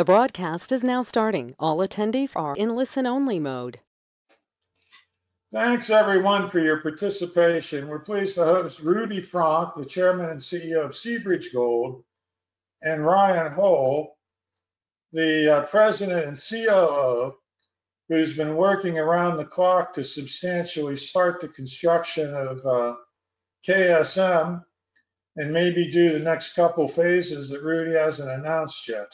The broadcast is now starting. All attendees are in listen-only mode. Thanks, everyone, for your participation. We're pleased to host Rudi Fronk, the Chairman and CEO of Seabridge Gold, and Ryan Hoel, the President and COO, who's been working around the clock to substantially start the construction of KSM and maybe do the next couple of phases that Rudi hasn't announced yet,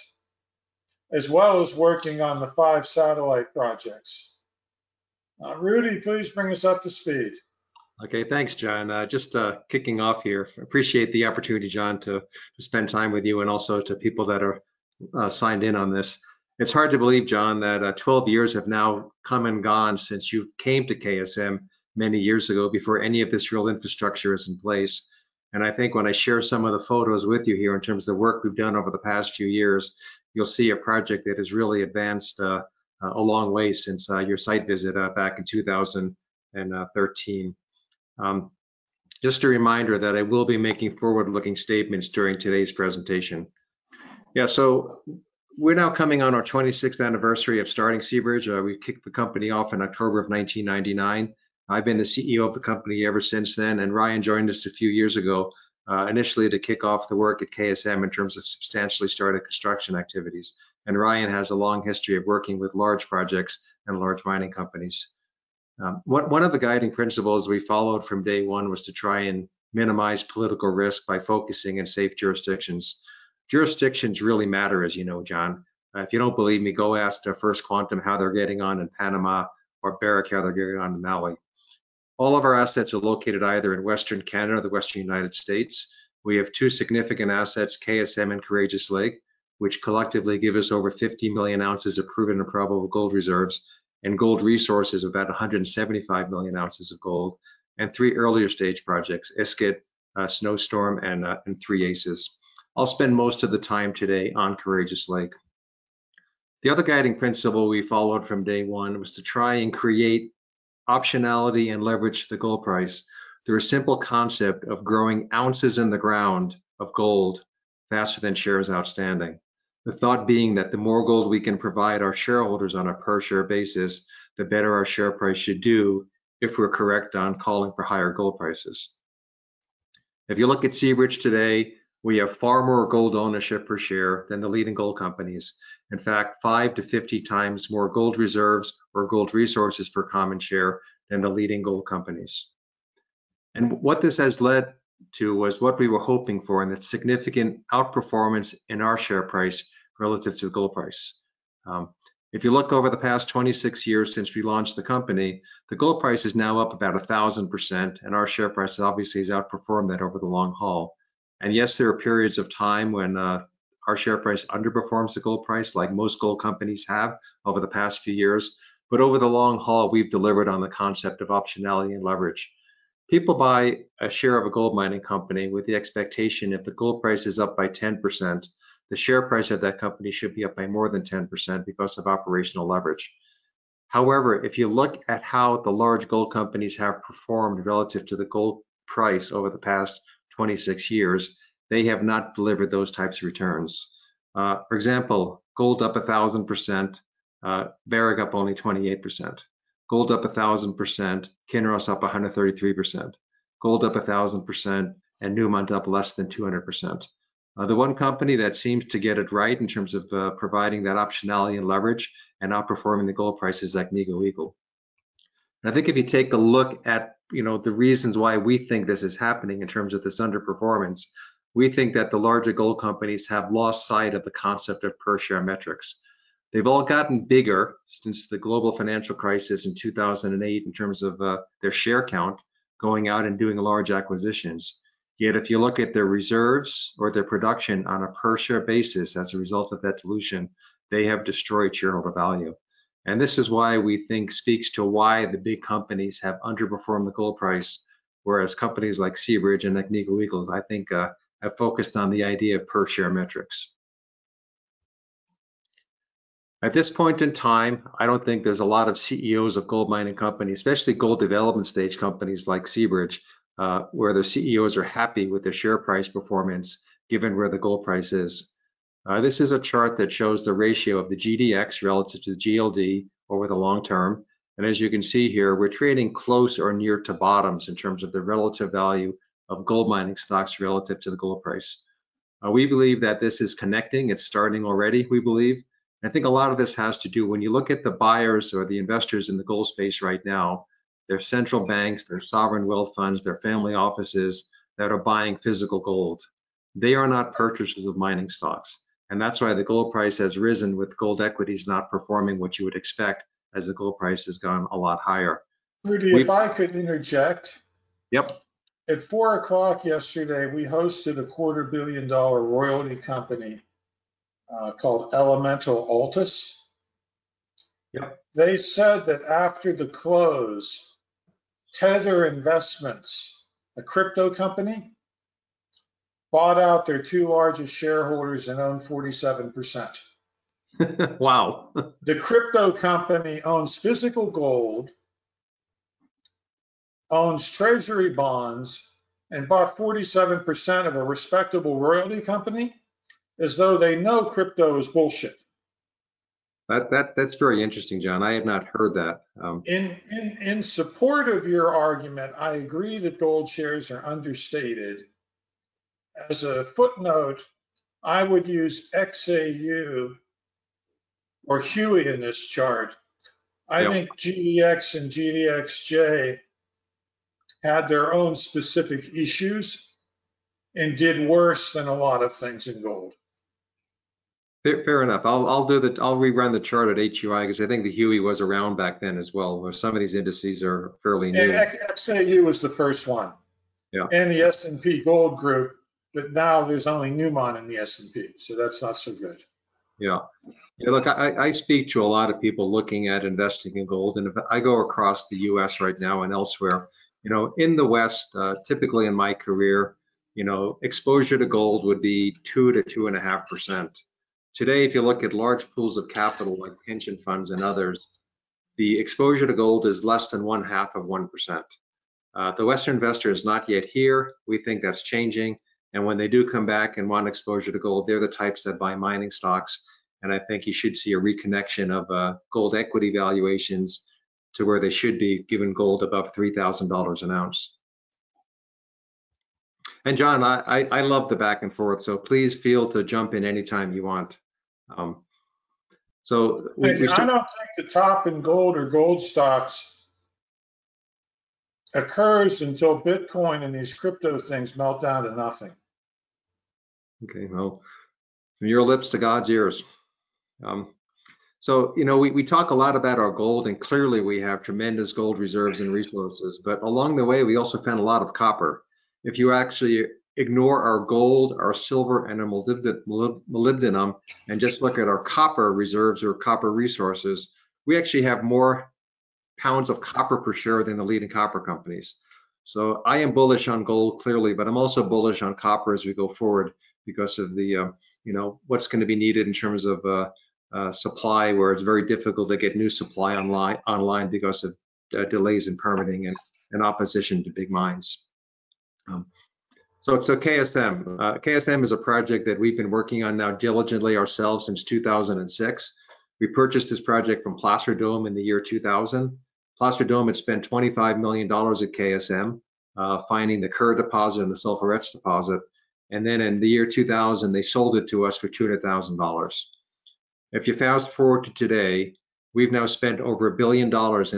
as well as working on the five satellite projects. Rudi, please bring us up to speed. Okay, thanks, John. Just kicking off here. Appreciate the opportunity, John, to spend time with you and also to people that are signed in on this. It's hard to believe, John, that 12 years have now come and gone since you came to KSM many years ago before any of this real infrastructure was in place. I think when I share some of the photos with you here in terms of the work we've done over the past few years, you'll see a project that has really advanced a long way since your site visit back in 2013. Just a reminder that I will be making forward-looking statements during today's presentation. Yeah, so we're now coming on our 26th anniversary of starting Seabridge. We kicked the company off in October of 1999. I've been the CEO of the company ever since then, and Ryan joined us a few years ago initially to kick off the work at KSM in terms of substantially starting construction activities. Ryan has a long history of working with large projects and large mining companies. One of the guiding principles we followed from day one was to try and minimize political risk by focusing in safe jurisdictions. Jurisdictions really matter, as you know, John. If you do not believe me, go ask First Quantum how they're getting on in Panama or Barrick how they're getting on in Mali. All of our assets are located either in Western Canada or the Western United States. We have two significant assets, KSM and Courageous Lake, which collectively give us over 50 million ounces of proven and probable gold reserves and gold resources of about 175 million ounces of gold, and three earlier stage projects, Iskut, Snowstorm, and Three Aces. I'll spend most of the time today on Courageous Lake. The other guiding principle we followed from day one was to try and create optionality and leverage the gold price through a simple concept of growing ounces in the ground of gold faster than shares outstanding. The thought being that the more gold we can provide our shareholders on a per-share basis, the better our share price should do if we're correct on calling for higher gold prices. If you look at Seabridge today, we have far more gold ownership per share than the leading gold companies. In fact, 5 times-50 times more gold reserves or gold resources per common share than the leading gold companies. What this has led to was what we were hoping for, and it is significant outperformance in our share price relative to the gold price. If you look over the past 26 years since we launched the company, the gold price is now up about 1,000%, and our share price obviously has outperformed that over the long haul. Yes, there are periods of time when our share price underperforms the gold price, like most gold companies have over the past few years, but over the long haul, we have delivered on the concept of optionality and leverage. People buy a share of a gold mining company with the expectation if the gold price is up by 10%, the share price of that company should be up by more than 10% because of operational leverage. However, if you look at how the large gold companies have performed relative to the gold price over the past 26 years, they have not delivered those types of returns. For example, gold up 1,000%, Barrick up only 28%. Gold up 1,000%, Kinross up 133%. Gold up 1,000%, and Newmont up less than 200%. The one company that seems to get it right in terms of providing that optionality and leverage and outperforming the gold price is Agnico Eagle. I think if you take a look at the reasons why we think this is happening in terms of this underperformance, we think that the larger gold companies have lost sight of the concept of per-share metrics. They've all gotten bigger since the global financial crisis in 2008 in terms of their share count going out and doing large acquisitions. Yet if you look at their reserves or their production on a per-share basis as a result of that dilution, they have destroyed shareholder value. This is why we think speaks to why the big companies have underperformed the gold price, whereas companies like Seabridge and Agnico Eagle, I think, have focused on the idea of per-share metrics. At this point in time, I do not think there is a lot of CEOs of gold mining companies, especially gold development stage companies like Seabridge, where their CEOs are happy with their share price performance given where the gold price is. This is a chart that shows the ratio of the GDX relative to the GLD over the long term. As you can see here, we are trading close or near to bottoms in terms of the relative value of gold mining stocks relative to the gold price. We believe that this is connecting. It is starting already, we believe. I think a lot of this has to do when you look at the buyers or the investors in the gold space right now, their central banks, their sovereign wealth funds, their family offices that are buying physical gold. They are not purchasers of mining stocks. That is why the gold price has risen with gold equities not performing what you would expect as the gold price has gone a lot higher. Rudi, if I could interject. Yep. At 4:00 P.M. yesterday, we hosted a quarter billion dollar royalty company called Elemental Altus. Yep. They said that after the close, Tether Investments, a crypto company, bought out their two largest shareholders and owned 47%. Wow. The crypto company owns physical gold, owns treasury bonds, and bought 47% of a respectable royalty company as though they know crypto is bullshit. That's very interesting, John. I have not heard that. In support of your argument, I agree that gold shares are understated. As a footnote, I would use XAU or HUI in this chart. I think GDX and GDXJ had their own specific issues and did worse than a lot of things in gold. Fair enough. I'll rerun the chart at HUI because I think the HUI was around back then as well, where some of these indices are fairly new. XAU was the first one. Yeah. In the S&P Gold Group, but now there's only Newmont in the S&P, so that's not so good. Yeah. Look, I speak to a lot of people looking at investing in gold, and if I go across the U.S. right now and elsewhere, in the West, typically in my career, exposure to gold would be 2%-2.5%. Today, if you look at large pools of capital like pension funds and others, the exposure to gold is less than one half of 1%. The Western investor is not yet here. We think that's changing. When they do come back and want exposure to gold, they're the types that buy mining stocks. I think you should see a reconnection of gold equity valuations to where they should be given gold above $3,000 an ounce. John, I love the back and forth, so please feel to jump in anytime you want. So we. I don't think the top in gold or gold stocks occurs until Bitcoin and these crypto things melt down to nothing. Okay. From your lips to God's ears. We talk a lot about our gold, and clearly we have tremendous gold reserves and resources, but along the way, we also found a lot of copper. If you actually ignore our gold, our silver, and our molybdenum, and just look at our copper reserves or copper resources, we actually have more pounds of copper per share than the leading copper companies. I am bullish on gold clearly, but I'm also bullish on copper as we go forward because of what's going to be needed in terms of supply, where it's very difficult to get new supply online because of delays in permitting and opposition to big mines. It's a KSM. KSM is a project that we've been working on now diligently ourselves since 2006. We purchased this project from Placer Dome in the year 2000. Placer Dome had spent $25 million at KSM finding the Kerr deposit and the Sulphurets deposit. In the year 2000, they sold it to us for $200,000. If you fast forward to today, we have now spent over $1 billion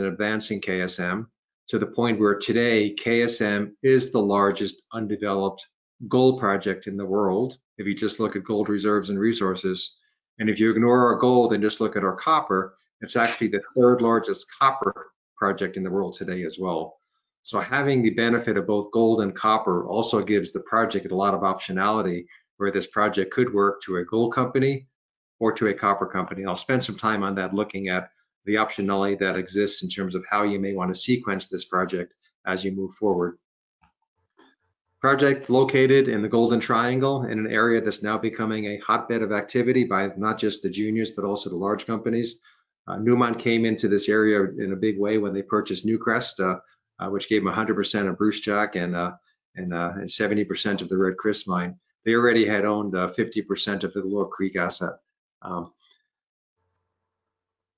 in advancing KSM to the point where today KSM is the largest undeveloped gold project in the world if you just look at gold reserves and resources. If you ignore our gold and just look at our copper, it is actually the third largest copper project in the world today as well. Having the benefit of both gold and copper also gives the project a lot of optionality where this project could work to a gold company or to a copper company. I'll spend some time on that looking at the optionality that exists in terms of how you may want to sequence this project as you move forward. Project located in the Golden Triangle in an area that's now becoming a hotbed of activity by not just the juniors, but also the large companies. Newmont came into this area in a big way when they purchased Newcrest, which gave them 100% of Brucejack and 70% of the Red Chris mine. They already had owned 50% of the Little Sprott asset.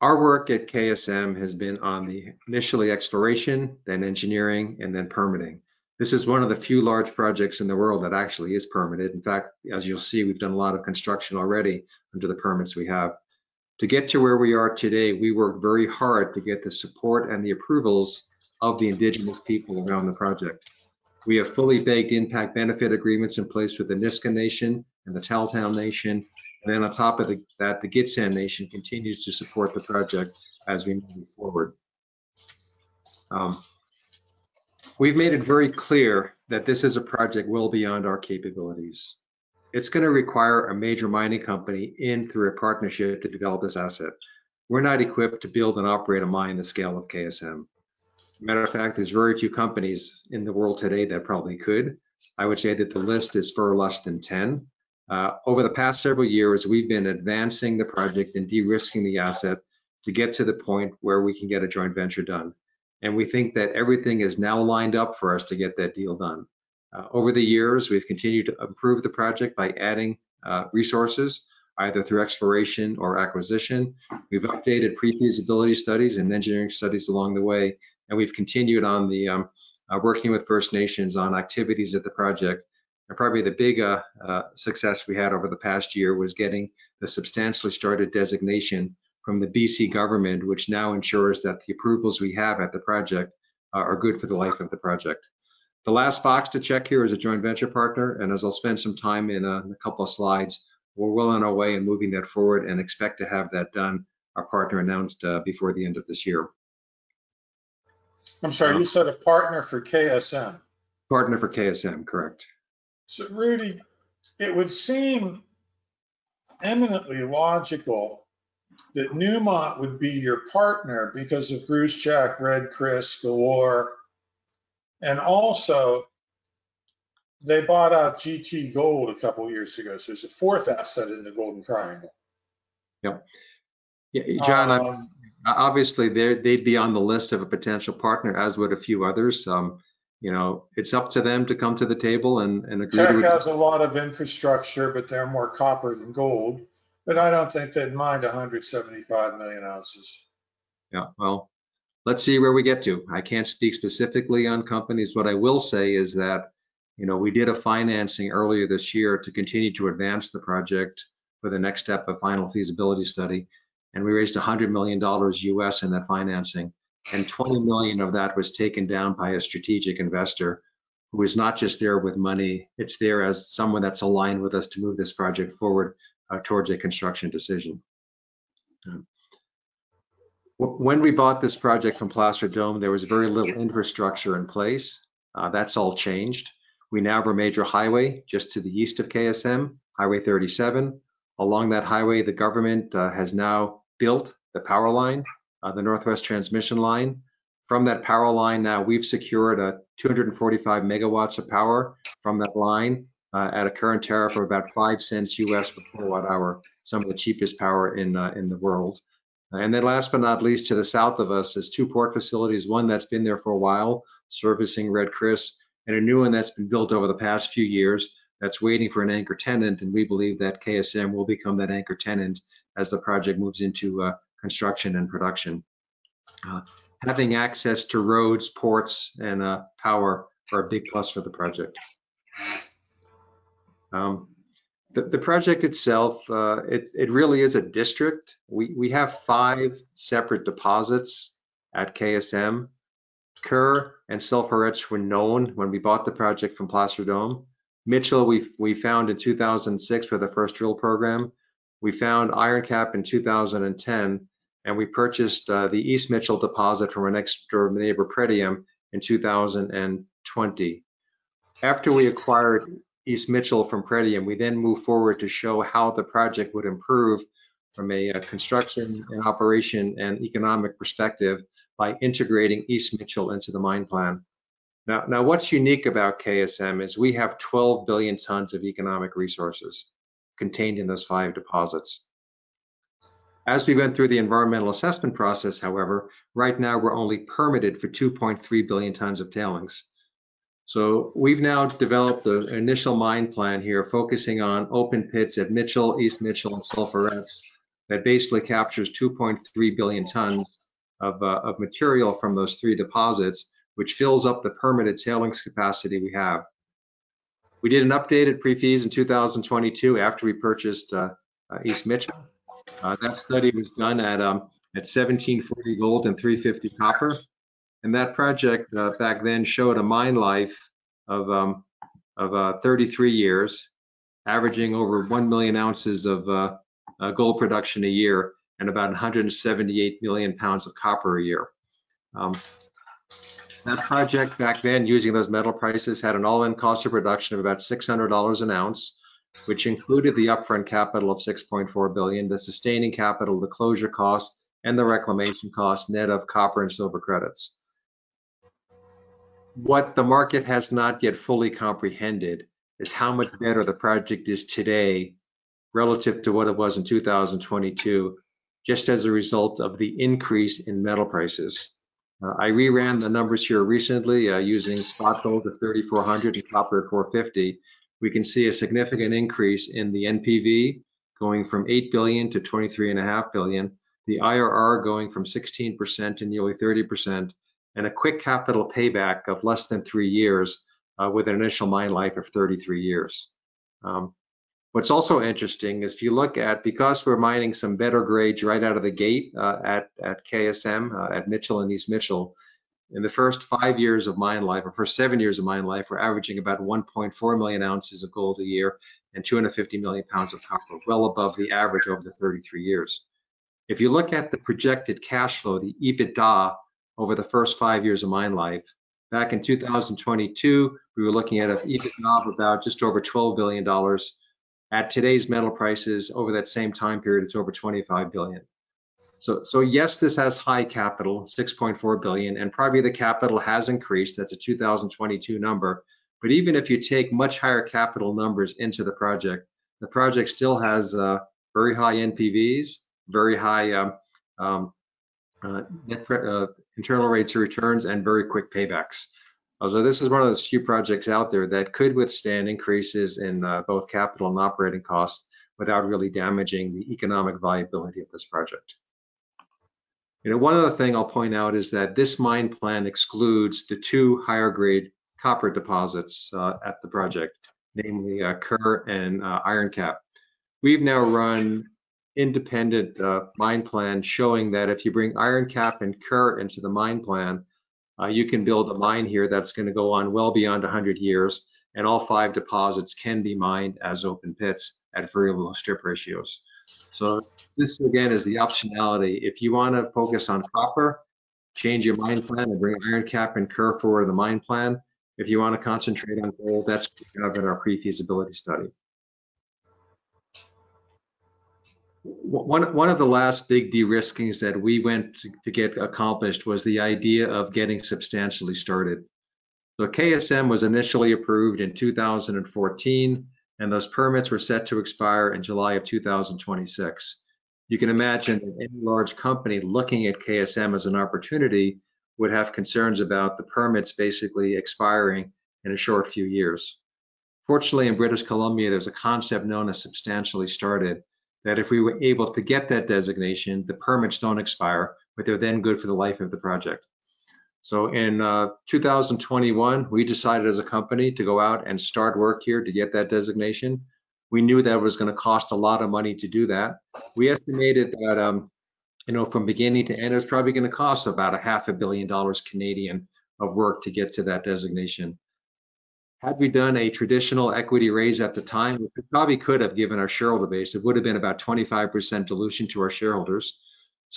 Our work at KSM has been on the initially exploration, then engineering, and then permitting. This is one of the few large projects in the world that actually is permitted. In fact, as you'll see, we've done a lot of construction already under the permits we have. To get to where we are today, we work very hard to get the support and the approvals of the Indigenous people around the project. We have fully baked Impact Benefit Agreements in place with the Nisga'a Nation and the Tahltan Nation. On top of that, the Gitxsan Nation continues to support the project as we move forward. We've made it very clear that this is a project well beyond our capabilities. It's going to require a major mining company in through a partnership to develop this asset. We're not equipped to build and operate a mine the scale of KSM. As a matter of fact, there's very few companies in the world today that probably could. I would say that the list is for less than 10. Over the past several years, we've been advancing the project and de-risking the asset to get to the point where we can get a joint venture done. We think that everything is now lined up for us to get that deal done. Over the years, we've continued to improve the project by adding resources either through exploration or acquisition. We've updated pre-feasibility studies and engineering studies along the way, and we've continued on working with First Nations on activities at the project. Probably the big success we had over the past year was getting the substantially started designation from the BC government, which now ensures that the approvals we have at the project are good for the life of the project. The last box to check here is a joint venture partner. I'll spend some time in a couple of slides, we're well on our way in moving that forward and expect to have that done. Our partner announced before the end of this year. I'm sorry, you said a partner for KSM. Partner for KSM, correct. Rudi, it would seem eminently logical that Newmont would be your partner because of Brucejack, Red Chris, Galore. Also, they bought out GT Gold a couple of years ago, so it is a fourth asset in the Golden Triangle. Yep. John, obviously, they'd be on the list of a potential partner, as would a few others. It's up to them to come to the table and agree to. Brucejack has a lot of infrastructure, but they're more copper than gold. I don't think they'd mind 175 million ounces. Yeah. Let's see where we get to. I can't speak specifically on companies. What I will say is that we did a financing earlier this year to continue to advance the project for the next step of final feasibility study. We raised $100 million US in that financing, and $20 million of that was taken down by a strategic investor who is not just there with money. It's there as someone that's aligned with us to move this project forward towards a construction decision. When we bought this project from Placer Dome, there was very little infrastructure in place. That's all changed. We now have a major highway just to the east of KSM, Highway 37. Along that highway, the government has now built the power line, the Northwest Transmission Line. From that power line now, we've secured 245 MW of power from that line at a current tariff of about $0.05 per kWh, some of the cheapest power in the world. Last but not least, to the south of us are two port facilities, one that's been there for a while servicing Red Chris and a new one that's been built over the past few years that's waiting for an anchor tenant. We believe that KSM will become that anchor tenant as the project moves into construction and production. Having access to roads, ports, and power are a big plus for the project. The project itself, it really is a district. We have five separate deposits at KSM. Kerr and Sulphurets were known when we bought the project from Placer Dome. Mitchell, we found in 2006 with the first drill program. We found Ironcap in 2010, and we purchased the East Mitchell deposit from an ex-dorm neighbor, Pretium, in 2020. After we acquired East Mitchell from Pretium, we then moved forward to show how the project would improve from a construction and operation and economic perspective by integrating East Mitchell into the mine plan. Now, what's unique about KSM is we have 12 billion tons of economic resources contained in those five deposits. As we went through the environmental assessment process, however, right now, we're only permitted for 2.3 billion tons of tailings. We have now developed an initial mine plan here focusing on open pits at Mitchell, East Mitchell, and Sulphurets that basically captures 2.3 billion tons of material from those three deposits, which fills up the permitted tailings capacity we have. We did an updated pre-feas in 2022 after we purchased East Mitchell. That study was done at $1,740 gold and $3.50 copper. That project back then showed a mine life of 33 years, averaging over 1 million ounces of gold production a year and about 178 million pounds of copper a year. That project back then, using those metal prices, had an all-in cost of production of about $600 an ounce, which included the upfront capital of $6.4 billion, the sustaining capital, the closure cost, and the reclamation cost net of copper and silver credits. What the market has not yet fully comprehended is how much better the project is today relative to what it was in 2022 just as a result of the increase in metal prices. I reran the numbers here recently using spot gold at $3,400 and copper at $4.50. We can see a significant increase in the NPV going from $8 billion to $23.5 billion, the IRR going from 16% to nearly 30%, and a quick capital payback of less than three years with an initial mine life of 33 years. What's also interesting is if you look at, because we're mining some better grades right out of the gate at KSM, at Mitchell and East Mitchell, in the first five years of mine life or first seven years of mine life, we're averaging about 1.4 million ounces of gold a year and 250 million pounds of copper, well above the average over the 33 years. If you look at the projected cash flow, the EBITDA over the first five years of mine life, back in 2022, we were looking at an EBITDA of about just over $12 billion. At today's metal prices, over that same time period, it's over $25 billion. Yes, this has high capital, $6.4 billion, and probably the capital has increased. That's a 2022 number. Even if you take much higher capital numbers into the project, the project still has very high NPVs, very high internal rates of returns, and very quick paybacks. This is one of those few projects out there that could withstand increases in both capital and operating costs without really damaging the economic viability of this project. One other thing I'll point out is that this mine plan excludes the two higher-grade copper deposits at the project, namely Kerr and Ironcap. We've now run independent mine plans showing that if you bring Ironcap and Kerr into the mine plan, you can build a mine here that's going to go on well beyond 100 years, and all five deposits can be mined as open pits at very low strip ratios. This, again, is the optionality. If you want to focus on copper, change your mine plan and bring Ironcap and Kerr forward in the mine plan. If you want to concentrate on gold, that's what we have in our pre-feasibility study. One of the last big de-riskings that we went to get accomplished was the idea of getting substantially started. KSM was initially approved in 2014, and those permits were set to expire in July of 2026. You can imagine that any large company looking at KSM as an opportunity would have concerns about the permits basically expiring in a short few years. Fortunately, in British Columbia, there is a concept known as substantially started that if we were able to get that designation, the permits do not expire, but they are then good for the life of the project. In 2021, we decided as a company to go out and start work here to get that designation. We knew that was going to cost a lot of money to do that. We estimated that from beginning to end, it was probably going to cost about 500,000,000 dollars of work to get to that designation. Had we done a traditional equity raise at the time, we probably could have given our shareholder base. It would have been about 25% dilution to our shareholders.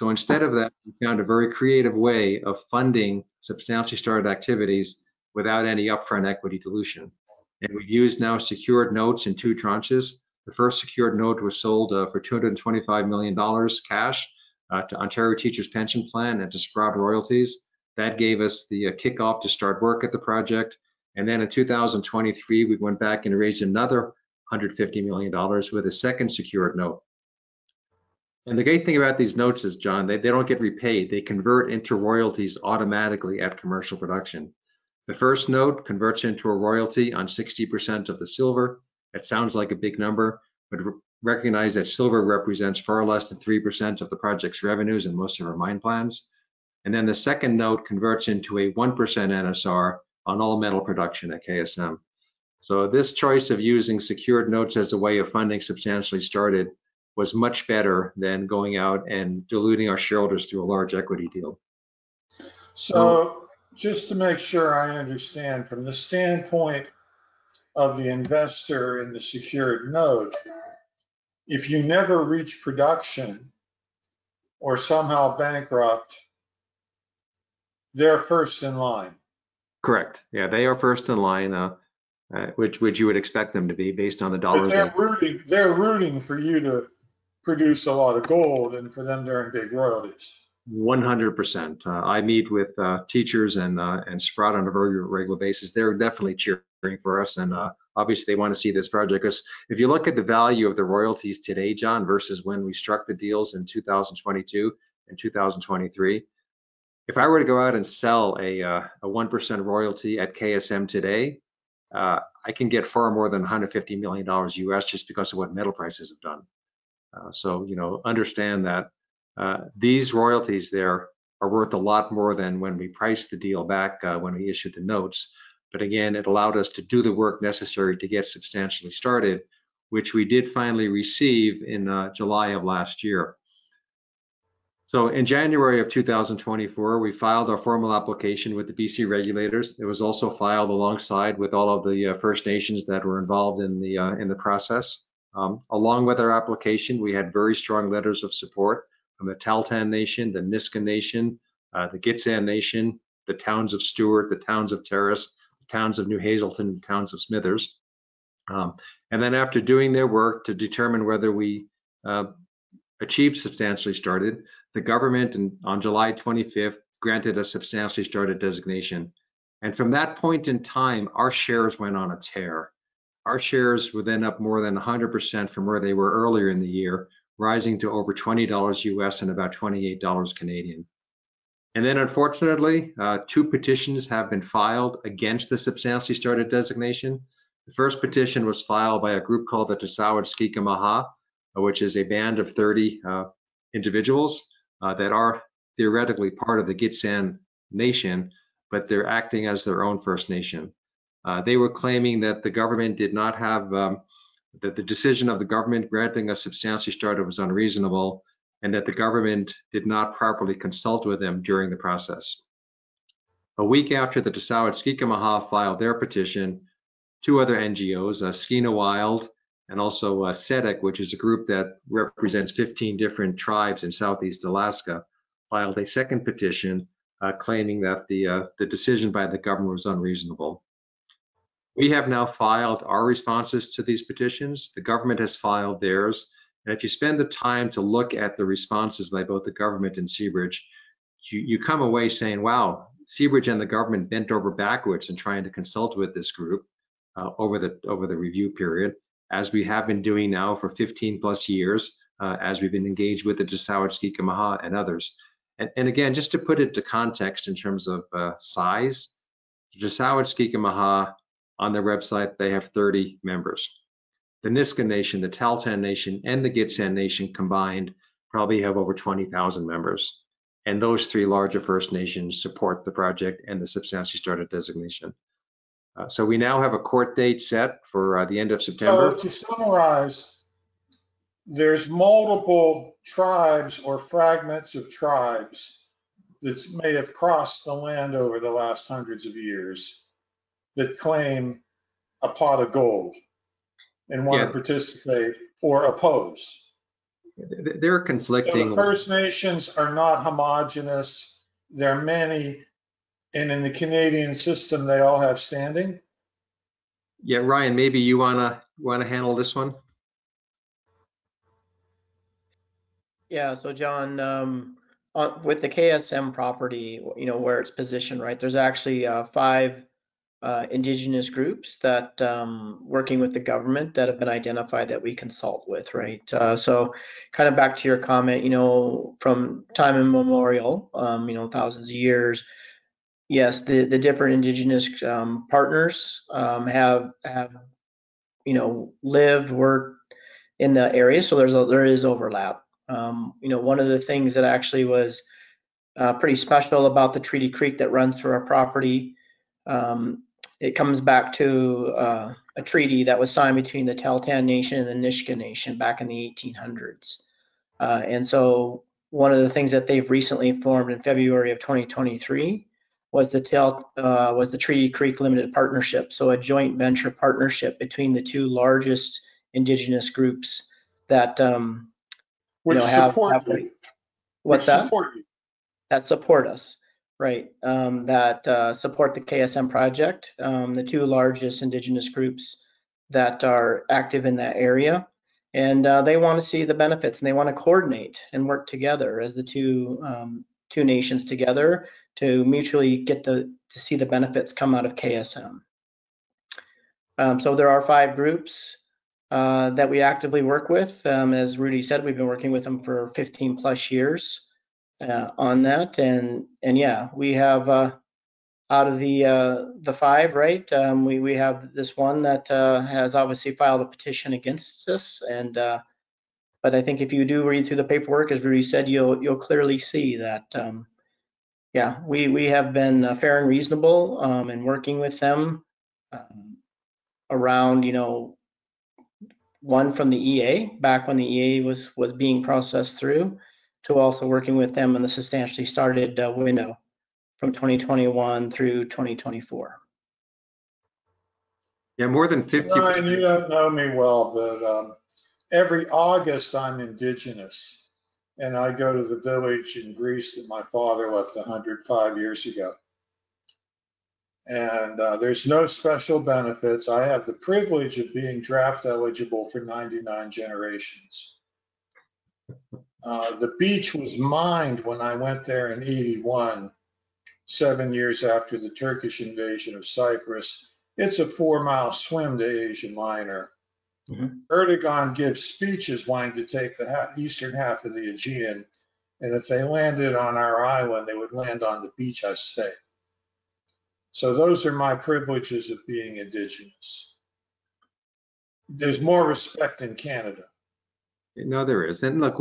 Instead of that, we found a very creative way of funding substantially started activities without any upfront equity dilution. We have used now secured notes in two tranches. The first secured note was sold for $225 million cash to Ontario Teachers' Pension Plan and to Sprott Royalties. That gave us the kickoff to start work at the project. In 2023, we went back and raised another $150 million with a second secured note. The great thing about these notes is, John, they do not get repaid. They convert into royalties automatically at commercial production. The first note converts into a royalty on 60% of the silver. It sounds like a big number, but recognize that silver represents far less than 3% of the project's revenues in most of our mine plans. The second note converts into a 1% NSR on all metal production at KSM. This choice of using secured notes as a way of funding substantially started was much better than going out and diluting our shareholders through a large equity deal. Just to make sure I understand, from the standpoint of the investor in the secured note, if you never reach production or somehow bankrupt, they're first in line. Correct. Yeah, they are first in line, which you would expect them to be based on the dollars. They are rooting for you to produce a lot of gold and for them to earn big royalties. 100%. I meet with Teachers and Sprott on a very regular basis. They're definitely cheering for us. Obviously, they want to see this project because if you look at the value of the royalties today, John, versus when we struck the deals in 2022 and 2023, if I were to go out and sell a 1% royalty at KSM today, I can get far more than $150 million U.S. just because of what metal prices have done. Understand that these royalties are worth a lot more than when we priced the deal back when we issued the notes. Again, it allowed us to do the work necessary to get substantially started, which we did finally receive in July of last year. In January of 2024, we filed our formal application with the BC regulators. It was also filed alongside with all of the First Nations that were involved in the process. Along with our application, we had very strong letters of support from the Tahltan Nation, the Nisga'a Nation, the Gitxsan Nation, the towns of Stewart, the towns of Terrace, the towns of New Hazelton, the towns of Smithers. After doing their work to determine whether we achieved substantially started, the government on July 25th granted a substantially started designation. From that point in time, our shares went on a tear. Our shares were then up more than 100% from where they were earlier in the year, rising to over $20 and about 28 Canadian dollars. Unfortunately, two petitions have been filed against the substantially started designation. The first petition was filed by a group called the Tisao Atskika Maha, which is a band of 30 individuals that are theoretically part of the Gitsan Nation, but they're acting as their own First Nation. They were claiming that the decision of the government granting a substantially started was unreasonable and that the government did not properly consult with them during the process. A week after the Tisao Atskika Maha filed their petition, two other NGOs, SkeenaWild and also Sedec, which is a group that represents 15 different tribes in southeast Alaska, filed a second petition claiming that the decision by the government was unreasonable. We have now filed our responses to these petitions. The government has filed theirs. If you spend the time to look at the responses by both the government and Seabridge, you come away saying, "Wow, Seabridge and the government bent over backwards in trying to consult with this group over the review period," as we have been doing now for 15+ years as we've been engaged with the Tsetsaut Skii km Lax Ha and others. Again, just to put it in context in terms of size, the Tsetsaut Skii km Lax Ha, on their website, they have 30 members. The Nisga'a Nation, the Tahltan Nation, and the Gitxsan Nation combined probably have over 20,000 members. Those three larger First Nations support the project and the substantially started designation. We now have a court date set for the end of September. To summarize, there's multiple tribes or fragments of tribes that may have crossed the land over the last hundreds of years that claim a pot of gold and want to participate or oppose. They're conflicting. The First Nations are not homogenous. There are many, and in the Canadian system, they all have standing. Yeah, Ryan, maybe you want to handle this one. Yeah. So John, with the KSM property, where it's positioned, right, there's actually five indigenous groups working with the government that have been identified that we consult with, right? Kind of back to your comment, from time immemorial, thousands of years, yes, the different indigenous partners have lived, worked in the area. There is overlap. One of the things that actually was pretty special about the Treaty Creek that runs through our property, it comes back to a treaty that was signed between the Tahltan Nation and the Nisga'a Nation back in the 1800s. One of the things that they've recently formed in February of 2023 was the Treaty Creek Limited Partnership, a joint venture partnership between the two largest indigenous groups that have. Which support? What's that? That support you. That support us, right, that support the KSM project, the two largest Indigenous groups that are active in that area. They want to see the benefits, and they want to coordinate and work together as the two nations together to mutually get to see the benefits come out of KSM. There are five groups that we actively work with. As Rudi said, we've been working with them for 15+ years on that. Yeah, we have out of the five, right, we have this one that has obviously filed a petition against us. I think if you do read through the paperwork, as Rudi said, you'll clearly see that, yeah, we have been fair and reasonable in working with them around one from the Environmental Assessment back when the Environmental Assessment was being processed through to also working with them in the substantially started window from 2021 through 2024. Yeah, more than 50%. Ryan, you do not know me well, but every August, I am indigenous, and I go to the village in Greece that my father left 105 years ago. There is no special benefits. I have the privilege of being draft eligible for 99 generations. The beach was mined when I went there in 1981, seven years after the Turkish invasion of Cyprus. It is a four-mile swim to Asia Minor. Erdogan gives speeches wanting to take the eastern half of the Aegean. If they landed on our island, they would land on the beach I say. Those are my privileges of being indigenous. There is more respect in Canada. No, there is. Look,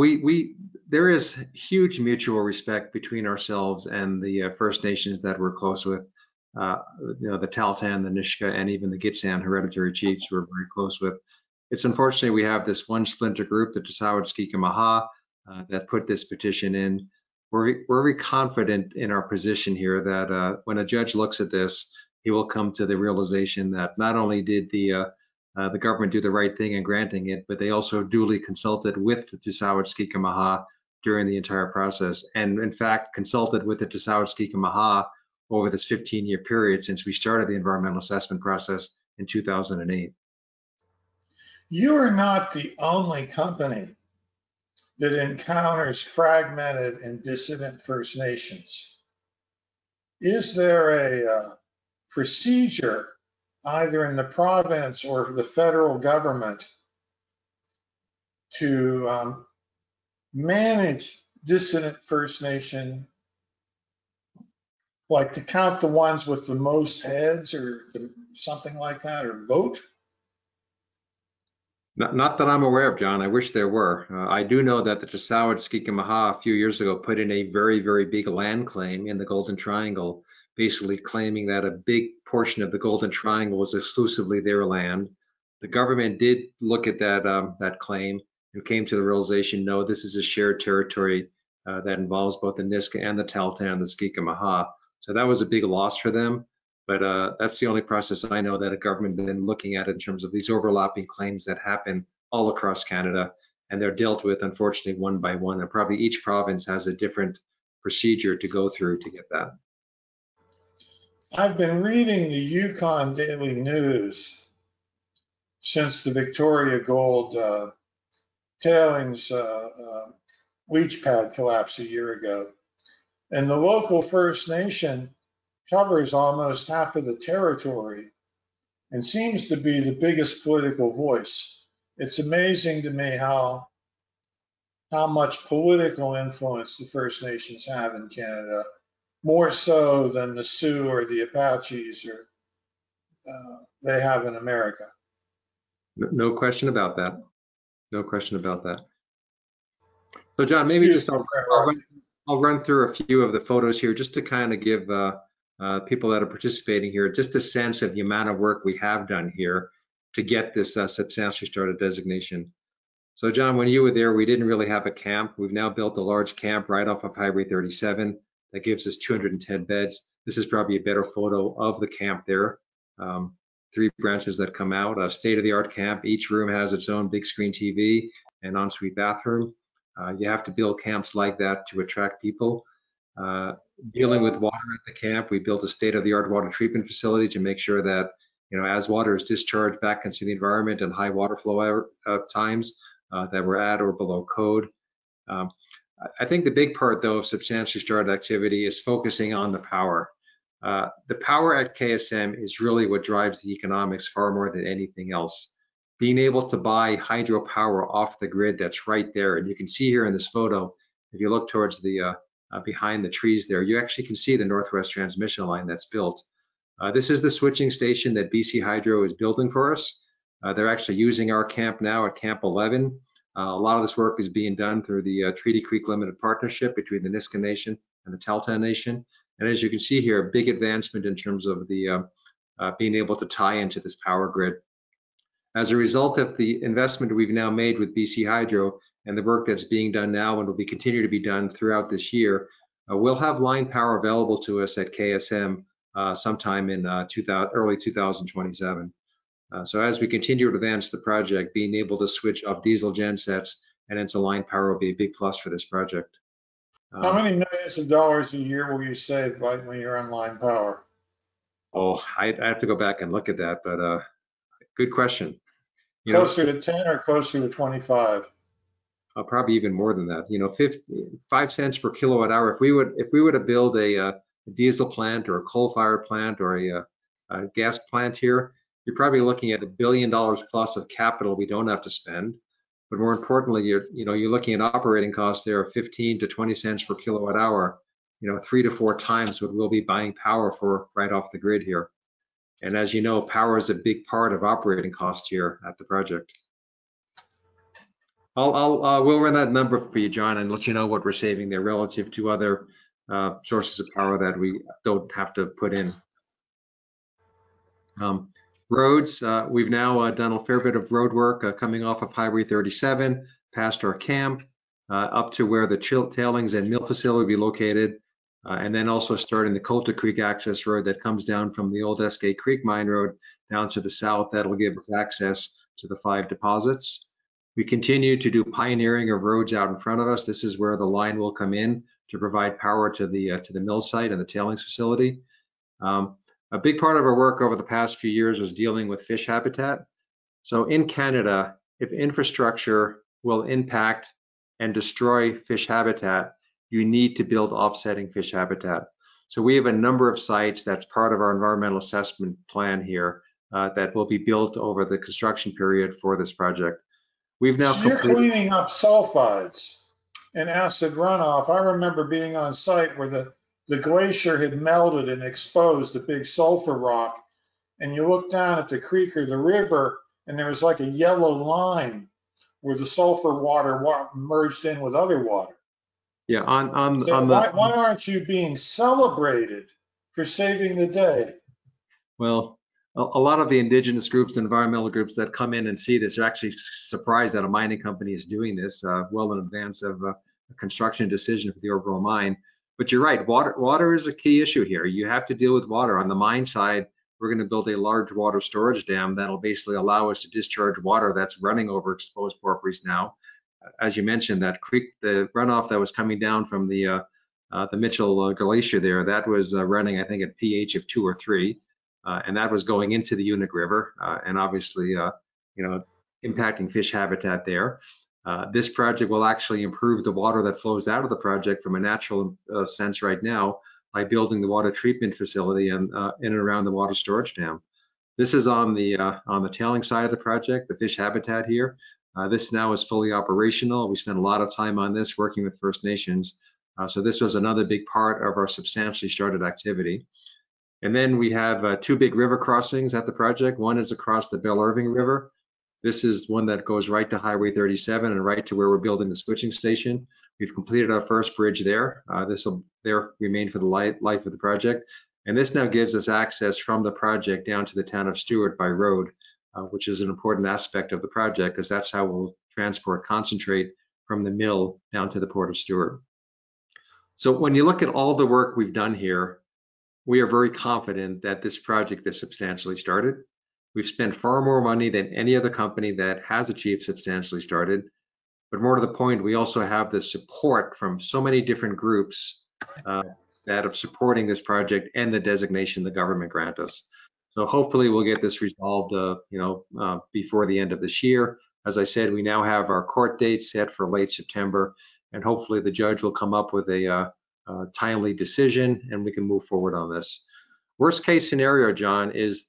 there is huge mutual respect between ourselves and the First Nations that we're close with, the Tahltan, the Nisga'a, and even the Gitxsan hereditary chiefs we're very close with. It's unfortunate we have this one splinter group, the Tsetsaut Skii Km Lax Ha, that put this petition in. We're very confident in our position here that when a judge looks at this, he will come to the realization that not only did the government do the right thing in granting it, but they also duly consulted with the Tsetsaut Skii Km Lax Ha during the entire process and, in fact, consulted with the Tsetsaut Skii Km Lax Ha over this 15-year period since we started the environmental assessment process in 2008. You are not the only company that encounters fragmented and dissident First Nations. Is there a procedure either in the province or the federal government to manage dissident First Nation, like to count the ones with the most heads or something like that or vote? Not that I'm aware of, John. I wish there were. I do know that the Tsetsaut Skii km Lax Ha a few years ago put in a very, very big land claim in the Golden Triangle, basically claiming that a big portion of the Golden Triangle was exclusively their land. The government did look at that claim and came to the realization, no, this is a shared territory that involves both the Nisga'a and the Tahltan and the Tsetsaut Skii km Lax Ha. That was a big loss for them. That's the only process I know that a government has been looking at in terms of these overlapping claims that happen all across Canada. They're dealt with, unfortunately, one by one. Probably each province has a different procedure to go through to get that. I've been reading the Yukon Daily News since the Victoria Gold tailings wheat pad collapse a year ago. The local First Nation covers almost half of the territory and seems to be the biggest political voice. It's amazing to me how much political influence the First Nations have in Canada, more so than the Sioux or the Apaches or they have in America. No question about that. No question about that. John, maybe just I'll run through a few of the photos here just to kind of give people that are participating here just a sense of the amount of work we have done here to get this substantially started designation. John, when you were there, we did not really have a camp. We have now built a large camp right off of Highway 37 that gives us 210 beds. This is probably a better photo of the camp there, three branches that come out, a state-of-the-art camp. Each room has its own big screen TV and ensuite bathroom. You have to build camps like that to attract people. Dealing with water at the camp, we built a state-of-the-art water treatment facility to make sure that as water is discharged back into the environment in high water flow times, that we're at or below code. I think the big part, though, of substantially started activity is focusing on the power. The power at KSM is really what drives the economics far more than anything else. Being able to buy hydro power off the grid that's right there. You can see here in this photo, if you look towards the behind the trees there, you actually can see the Northwest Transmission Line that's built. This is the switching station that BC Hydro is building for us. They're actually using our camp now at Camp 11. A lot of this work is being done through the Treaty Creek Limited Partnership between the Niskan Nation and the Talatan Nation. As you can see here, a big advancement in terms of being able to tie into this power grid. As a result of the investment we've now made with BC Hydro and the work that's being done now and will be continued to be done throughout this year, we'll have line power available to us at KSM sometime in early 2027. As we continue to advance the project, being able to switch off diesel gensets and into line power will be a big plus for this project. How many millions of dollars a year will you save when you're on line power? Oh, I have to go back and look at that, but good question. Closer to 10 or closer to 25? Probably even more than that. $0.05 per kWh. If we were to build a diesel plant or a coal-fired plant or a gas plant here, you're probably looking at $1 billion plus of capital we do not have to spend. More importantly, you're looking at operating costs there of $0.15-$0.20 per kWh, three to four times what we'll be buying power for right off the grid here. As you know, power is a big part of operating costs here at the project. We'll run that number for you, John, and let you know what we're saving there relative to other sources of power that we do not have to put in. Roads, we've now done a fair bit of roadwork coming off of Highway 37 past our camp up to where the tailings and mill facility will be located, and then also starting the Coulter Creek access road that comes down from the old SK Creek Mine Road down to the south that will give us access to the five deposits. We continue to do pioneering of roads out in front of us. This is where the line will come in to provide power to the mill site and the tailings facility. A big part of our work over the past few years was dealing with fish habitat. In Canada, if infrastructure will impact and destroy fish habitat, you need to build offsetting fish habitat. We have a number of sites that's part of our environmental assessment plan here that will be built over the construction period for this project. We've now completed. You're cleaning up sulfides and acid runoff. I remember being on site where the glacier had melted and exposed a big sulfur rock. You look down at the creek or the river, and there was like a yellow line where the sulfur water merged in with other water. Yeah. Why aren't you being celebrated for saving the day? A lot of the indigenous groups, environmental groups that come in and see this, are actually surprised that a mining company is doing this well in advance of a construction decision for the overall mine. You're right. Water is a key issue here. You have to deal with water. On the mine side, we're going to build a large water storage dam that'll basically allow us to discharge water that's running over exposed porphyry now. As you mentioned, that runoff that was coming down from the Mitchell Glacier there, that was running, I think, at pH of two or three. That was going into the Unuk River and obviously impacting fish habitat there. This project will actually improve the water that flows out of the project from a natural sense right now by building the water treatment facility in and around the water storage dam. This is on the tailing side of the project, the fish habitat here. This now is fully operational. We spent a lot of time on this working with First Nations. This was another big part of our substantially started activity. We have two big river crossings at the project. One is across the Bell Irving River. This is one that goes right to Highway 37 and right to where we're building the switching station. We've completed our first bridge there. This will remain for the life of the project. This now gives us access from the project down to the town of Stewart by road, which is an important aspect of the project because that's how we'll transport concentrate from the mill down to the Port of Stewart. When you look at all the work we've done here, we are very confident that this project is substantially started. We've spent far more money than any other company that has achieved substantially started. More to the point, we also have the support from so many different groups that are supporting this project and the designation the government grant us. Hopefully, we'll get this resolved before the end of this year. As I said, we now have our court date set for late September. Hopefully, the judge will come up with a timely decision, and we can move forward on this. Worst-case scenario, John, is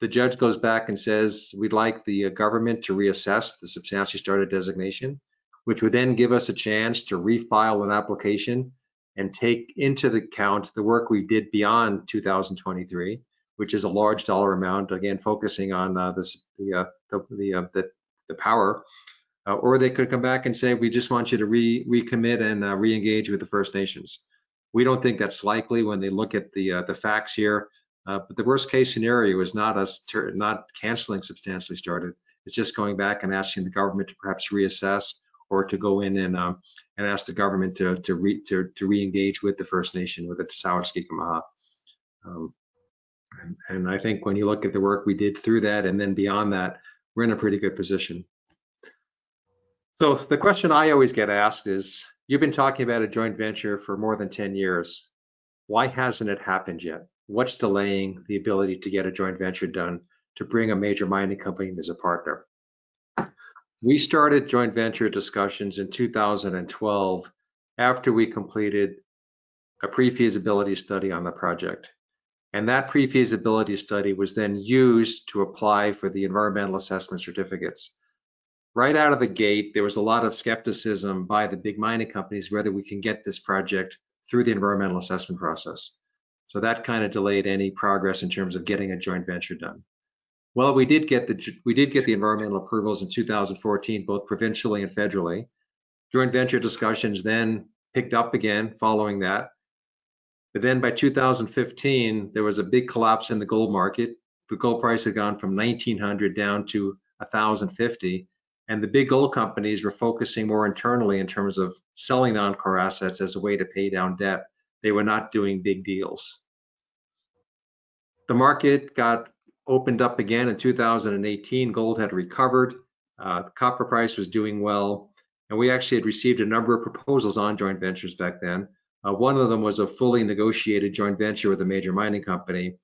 the judge goes back and says, "We'd like the government to reassess the substantially started designation," which would then give us a chance to refile an application and take into account the work we did beyond 2023, which is a large dollar amount, again, focusing on the power. They could come back and say, "We just want you to recommit and reengage with the First Nations." We do not think that's likely when they look at the facts here. The worst-case scenario is not canceling substantially started. It is just going back and asking the government to perhaps reassess or to go in and ask the government to reengage with the First Nation, with the Tisao Atskika Maha. I think when you look at the work we did through that and then beyond that, we're in a pretty good position. The question I always get asked is, "You've been talking about a joint venture for more than 10 years. Why hasn't it happened yet? What's delaying the ability to get a joint venture done to bring a major mining company as a partner?" We started joint venture discussions in 2012 after we completed a pre-feasibility study on the project. That pre-feasibility study was then used to apply for the environmental assessment certificates. Right out of the gate, there was a lot of skepticism by the big mining companies whether we can get this project through the environmental assessment process. That kind of delayed any progress in terms of getting a joint venture done. We did get the environmental approvals in 2014, both provincially and federally. Joint venture discussions then picked up again following that. By 2015, there was a big collapse in the gold market. The gold price had gone from $1,900 down to $1,050. The big gold companies were focusing more internally in terms of selling non-core assets as a way to pay down debt. They were not doing big deals. The market got opened up again in 2018. Gold had recovered. Copper price was doing well. We actually had received a number of proposals on joint ventures back then. One of them was a fully negotiated joint venture with a major mining company.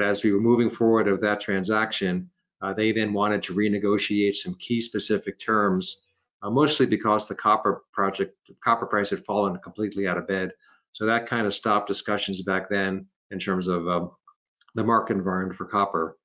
As we were moving forward with that transaction, they then wanted to renegotiate some key specific terms, mostly because the copper price had fallen completely out of bed. That kind of stopped discussions back then in terms of the market environment for copper.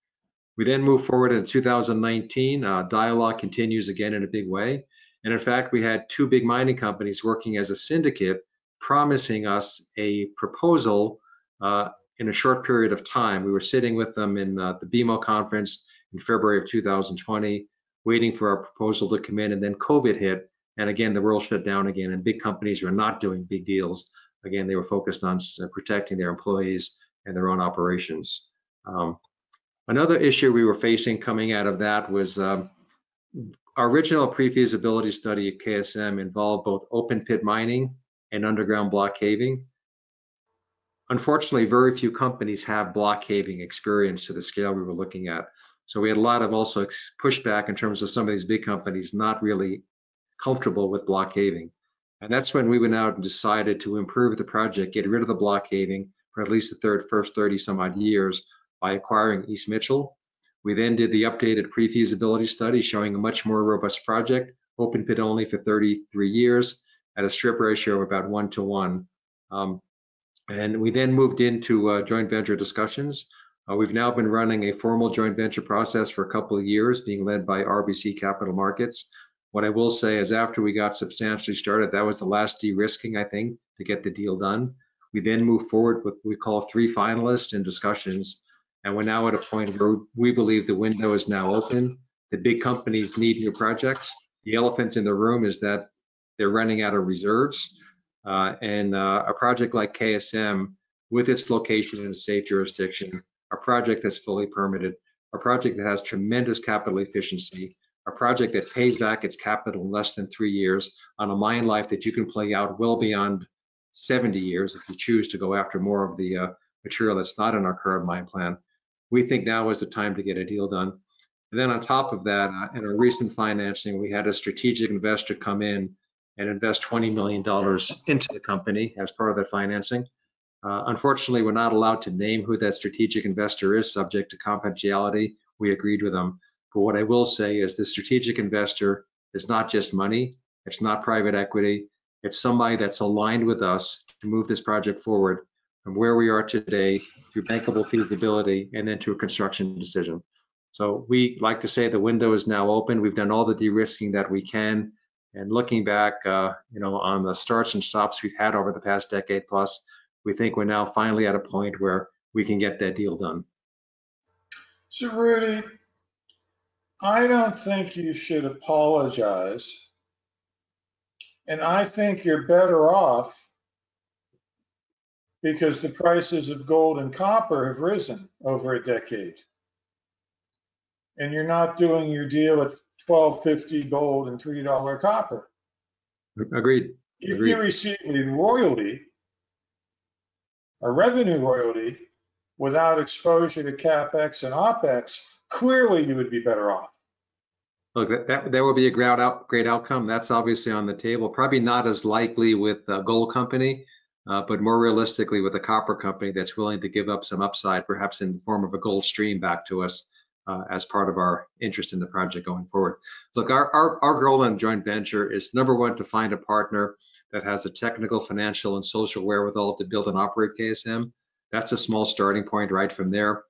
We then moved forward in 2019. Dialogue continues again in a big way. In fact, we had two big mining companies working as a syndicate promising us a proposal in a short period of time. We were sitting with them in the BMO conference in February 2020, waiting for our proposal to come in. COVID hit. The world shut down again. Big companies were not doing big deals. They were focused on protecting their employees and their own operations. Another issue we were facing coming out of that was our original pre-feasibility study at KSM involved both open-pit mining and underground block caving. Unfortunately, very few companies have block caving experience to the scale we were looking at. We had a lot of also pushback in terms of some of these big companies not really comfortable with block caving. That's when we went out and decided to improve the project, get rid of the block caving for at least the first 30-some odd years by acquiring East Mitchell. We then did the updated pre-feasibility study showing a much more robust project, open-pit only for 33 years at a strip ratio of about 1:1. We then moved into joint venture discussions. We've now been running a formal joint venture process for a couple of years being led by RBC Capital Markets. What I will say is after we got substantially started, that was the last de-risking, I think, to get the deal done. We then moved forward with what we call three finalists and discussions. We're now at a point where we believe the window is now open. The big companies need new projects. The elephant in the room is that they're running out of reserves. A project like KSM, with its location in a safe jurisdiction, a project that's fully permitted, a project that has tremendous capital efficiency, a project that pays back its capital in less than three years on a mine life that you can play out well beyond 70 years if you choose to go after more of the material that's not in our current mine plan, we think now is the time to get a deal done. In our recent financing, we had a strategic investor come in and invest $20 million into the company as part of that financing. Unfortunately, we're not allowed to name who that strategic investor is, subject to confidentiality. We agreed with them. What I will say is the strategic investor is not just money. It's not private equity. It's somebody that's aligned with us to move this project forward from where we are today through bankable feasibility and then to a construction decision. We like to say the window is now open. We've done all the de-risking that we can. Looking back on the starts and stops we've had over the past decade plus, we think we're now finally at a point where we can get that deal done. Rudi, I do not think you should apologize. I think you are better off because the prices of gold and copper have risen over a decade. You are not doing your deal at $1,250 gold and $3 copper. Agreed. If you received a royalty, a revenue royalty without exposure to CapEx and OpEx, clearly you would be better off. Look, there will be a great outcome. That's obviously on the table. Probably not as likely with a gold company, but more realistically with a copper company that's willing to give up some upside, perhaps in the form of a gold stream back to us as part of our interest in the project going forward. Look, our goal in joint venture is number one, to find a partner that has the technical, financial, and social wherewithal to build and operate KSM. That's a small starting point right from there.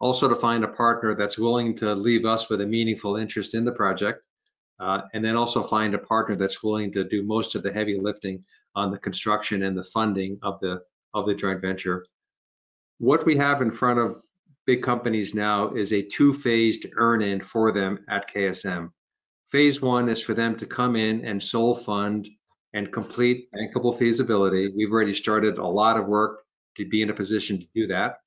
Also to find a partner that's willing to leave us with a meaningful interest in the project. And then also find a partner that's willing to do most of the heavy lifting on the construction and the funding of the joint venture. What we have in front of big companies now is a two-phased-earn-in for them at KSM. Phase one is for them to come in and sole fund and complete bankable feasibility. We've already started a lot of work to be in a position to do that.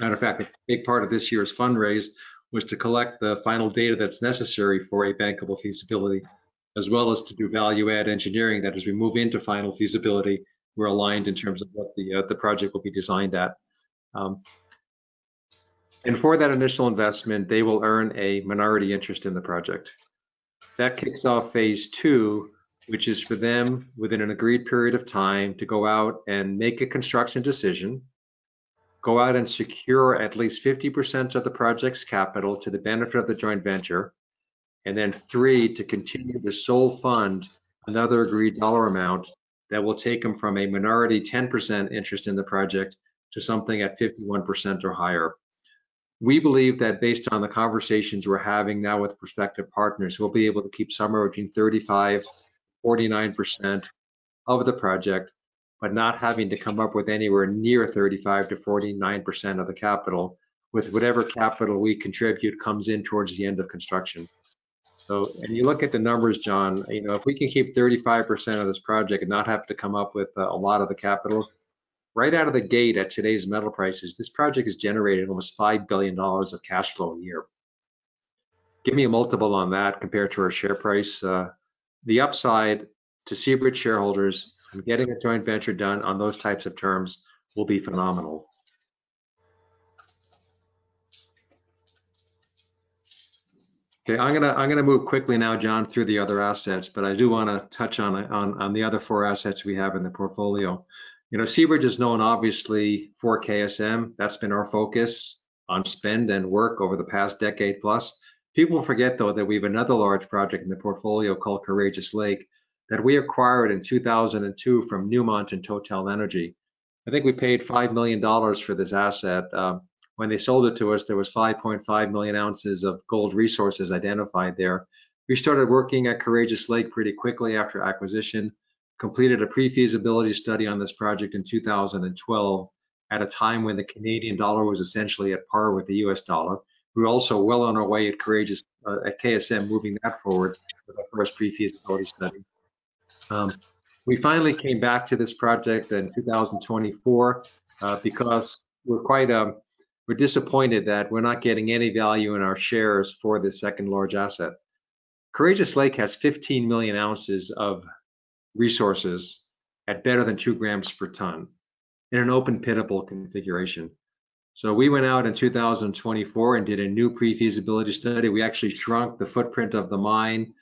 Matter of fact, a big part of this year's fundraise was to collect the final data that's necessary for a bankable feasibility, as well as to do value-add engineering that as we move into final feasibility, we're aligned in terms of what the project will be designed at. For that initial investment, they will earn a minority interest in the project. That kicks off phase two, which is for them within an agreed period of time to go out and make a construction decision, go out and secure at least 50% of the project's capital to the benefit of the joint venture. Then three, to continue to sole fund another agreed dollar amount that will take them from a minority 10% interest in the project to something at 51% or higher. We believe that based on the conversations we're having now with prospective partners, we'll be able to keep somewhere between 35%-49% of the project, but not having to come up with anywhere near 35%-49% of the capital with whatever capital we contribute comes in towards the end of construction. When you look at the numbers, John, if we can keep 35% of this project and not have to come up with a lot of the capital, right out of the gate at today's metal prices, this project has generated almost $5 billion of cash flow a year. Give me a multiple on that compared to our share price. The upside to Seabridge shareholders getting a joint venture done on those types of terms will be phenomenal. Okay, I'm going to move quickly now, John, through the other assets, but I do want to touch on the other four assets we have in the portfolio. Seabridge is known obviously for KSM. That's been our focus on spend and work over the past decade plus. People forget, though, that we have another large project in the portfolio called Courageous Lake that we acquired in 2002 from Newmont and TotalEnergies. I think we paid $5 million for this asset. When they sold it to us, there was 5.5 million ounces of gold resources identified there. We started working at Courageous Lake pretty quickly after acquisition, completed a pre-feasibility study on this project in 2012 at a time when the Canadian dollar was essentially at par with the U.S. dollar. We're also well on our way at KSM moving that forward with our first pre-feasibility study. We finally came back to this project in 2024 because we're disappointed that we're not getting any value in our shares for this second large asset. Courageous Lake has 15 million ounces of resources at better than 2 grams per ton in an open-pittable configuration. We went out in 2024 and did a new pre-feasibility study. We actually shrunk the footprint of the mine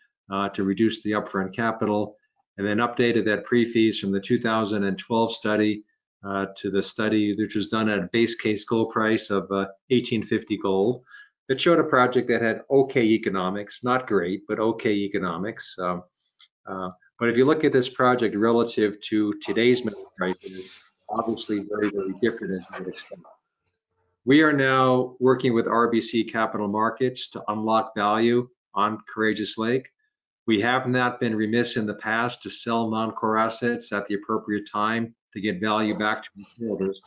to reduce the upfront capital and then updated that pre-feas from the 2012 study to the study which was done at a base case gold price of $1,850 gold. It showed a project that had okay economics, not great, but okay economics. If you look at this project relative to today's metal prices, obviously very, very different as we would expect. We are now working with RBC Capital Markets to unlock value on Courageous Lake. We have not been remiss in the past to sell non-core assets at the appropriate time to get value back to consumers.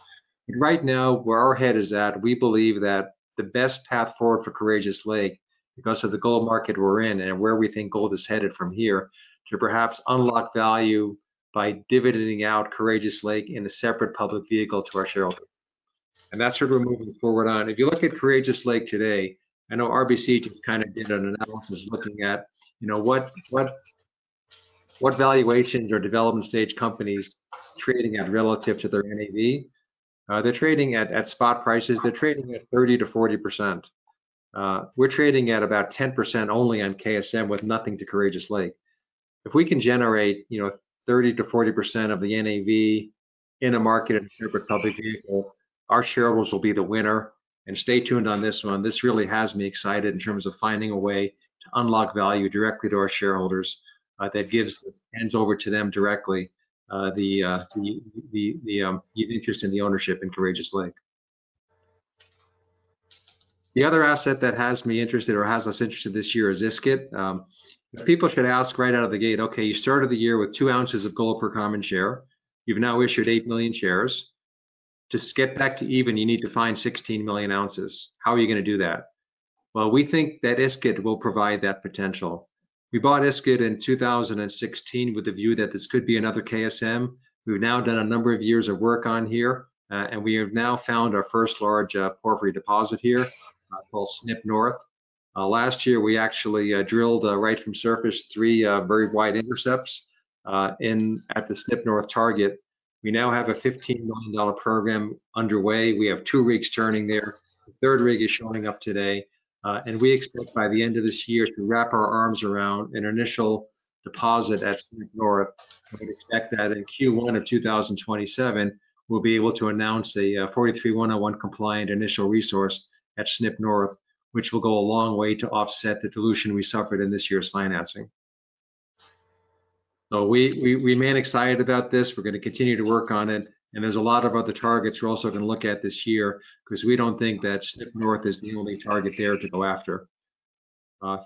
Right now, where our head is at, we believe that the best path forward for Courageous Lake because of the gold market we're in and where we think gold is headed from here to perhaps unlock value by dividending out Courageous Lake in a separate public vehicle to our shareholders. That is where we're moving forward on. If you look at Courageous Lake today, I know RBC just kind of did an analysis looking at what valuations are development stage companies trading at relative to their NAV. They are trading at spot prices. They are trading at 30%-40%. We are trading at about 10% only on KSM with nothing to Courageous Lake. If we can generate 30%-40% of the NAV in a market in a separate public vehicle, our shareholders will be the winner. Stay tuned on this one. This really has me excited in terms of finding a way to unlock value directly to our shareholders that hands over to them directly the interest in the ownership in Courageous Lake. The other asset that has me interested or has us interested this year is Iskut. People should ask right out of the gate, okay, you started the year with two ounces of gold per common share. You have now issued 8 million shares. To get back to even, you need to find 16 million ounces. How are you going to do that? We think that Iskut will provide that potential. We bought Iskut in 2016 with the view that this could be another KSM. We've now done a number of years of work on here. We have now found our first large porphyry deposit here called SNIP North. Last year, we actually drilled right from surface three very wide intercepts at the SNIP North target. We now have a $15 million program underway. We have two rigs turning there. The third rig is showing up today. We expect by the end of this year to wrap our arms around an initial deposit at SNIP North. We expect that in Q1 of 2027, we'll be able to announce a 43-101 compliant initial resource at SNIP North, which will go a long way to offset the dilution we suffered in this year's financing. We remain excited about this. We're going to continue to work on it. There is a lot of other targets we are also going to look at this year because we do not think that SNIP North is the only target there to go after.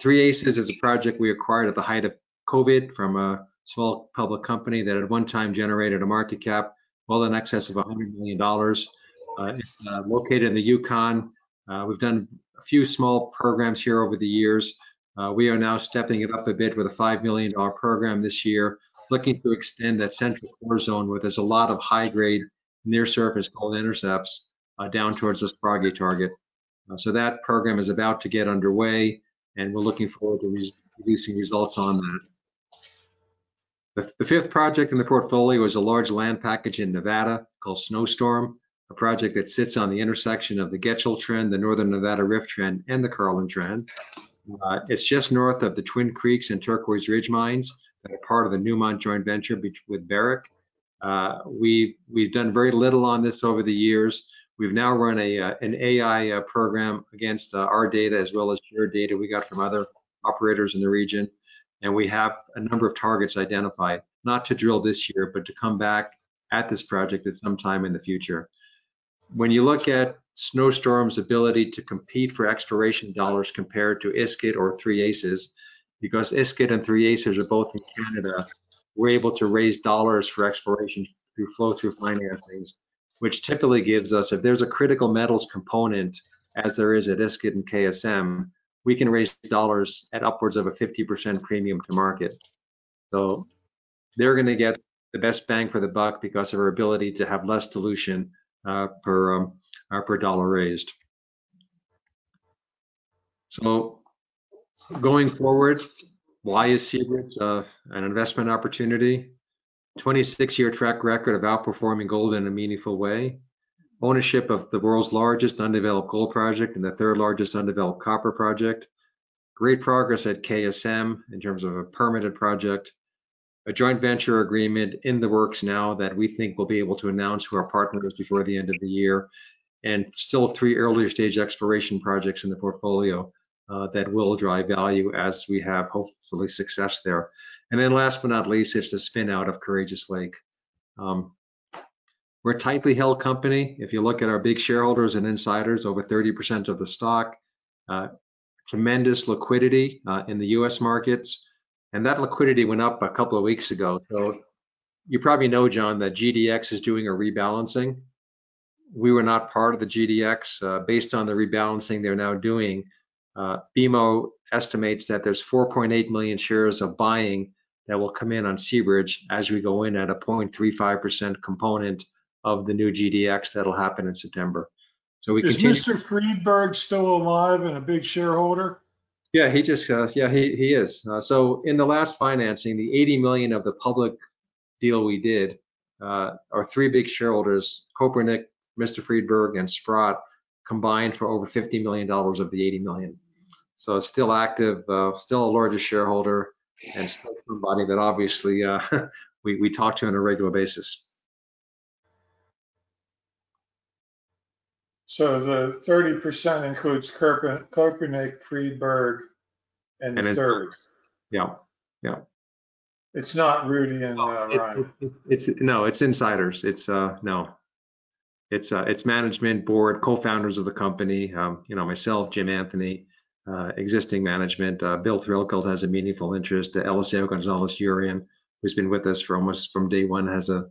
Three Aces is a project we acquired at the height of COVID from a small public company that at one time generated a market cap well in excess of $100 million. Located in the Yukon, we have done a few small programs here over the years. We are now stepping it up a bit with a $5 million program this year, looking to extend that central core zone where there is a lot of high-grade near-surface gold intercepts down towards the Sproggie target. That program is about to get underway. We are looking forward to releasing results on that. The fifth project in the portfolio is a large land package in Nevada called Snowstorm, a project that sits on the intersection of the Getchell Trend, the Northern Nevada Rift Trend, and the Carlin Trend. It's just north of the Twin Creeks and Turquoise Ridge mines that are part of the Newmont joint venture with Barrick. We've done very little on this over the years. We've now run an AI program against our data as well as data we got from other operators in the region. We have a number of targets identified, not to drill this year, but to come back at this project at some time in the future. When you look at Snowstorm's ability to compete for exploration dollars compared to Iskut or Three Aces, because Iskut and Three Aces are both in Canada, we're able to raise dollars for exploration through flow-through financing, which typically gives us, if there's a critical metals component as there is at Iskut and KSM, we can raise dollars at upwards of a 50% premium to market. They're going to get the best bang for the buck because of our ability to have less dilution per dollar raised. Going forward, why is Seabridge an investment opportunity? 26-year track record of outperforming gold in a meaningful way. Ownership of the world's largest undeveloped gold project and the third largest undeveloped copper project. Great progress at KSM in terms of a permitted project. A joint venture agreement in the works now that we think we'll be able to announce to our partners before the end of the year. Still, three earlier stage exploration projects in the portfolio that will drive value as we have hopefully success there. Last but not least, it's the spin-out of Courageous Lake. We're a tightly held company. If you look at our big shareholders and insiders, over 30% of the stock, tremendous liquidity in the U.S. markets. That liquidity went up a couple of weeks ago. You probably know, John, that GDX is doing a rebalancing. We were not part of the GDX. Based on the rebalancing they're now doing, BMO estimates that there's 4.8 million shares of buying that will come in on Seabridge as we go in at a 0.35% component of the new GDX that will happen in September. We continue. Is Mr. Friedberg still alive and a big shareholder? Yeah, he just, yeah, he is. In the last financing, the $80 million of the public deal we did, our three big shareholders, Copernic, Mr. Friedberg, and Sprott combined for over $50 million of the $80 million. Still active, still a largest shareholder, and still somebody that obviously we talk to on a regular basis. The 30% includes Copernic, Friedberg, and Seabridge. Yeah. Yeah. It's not Rudi and Ryan. No, it's insiders. No. It's management board, co-founders of the company, myself, Jim Anthony, existing management. Bill Threlkeld has a meaningful interest. Elseo Gonzalez Urien, who's been with us from day one, has a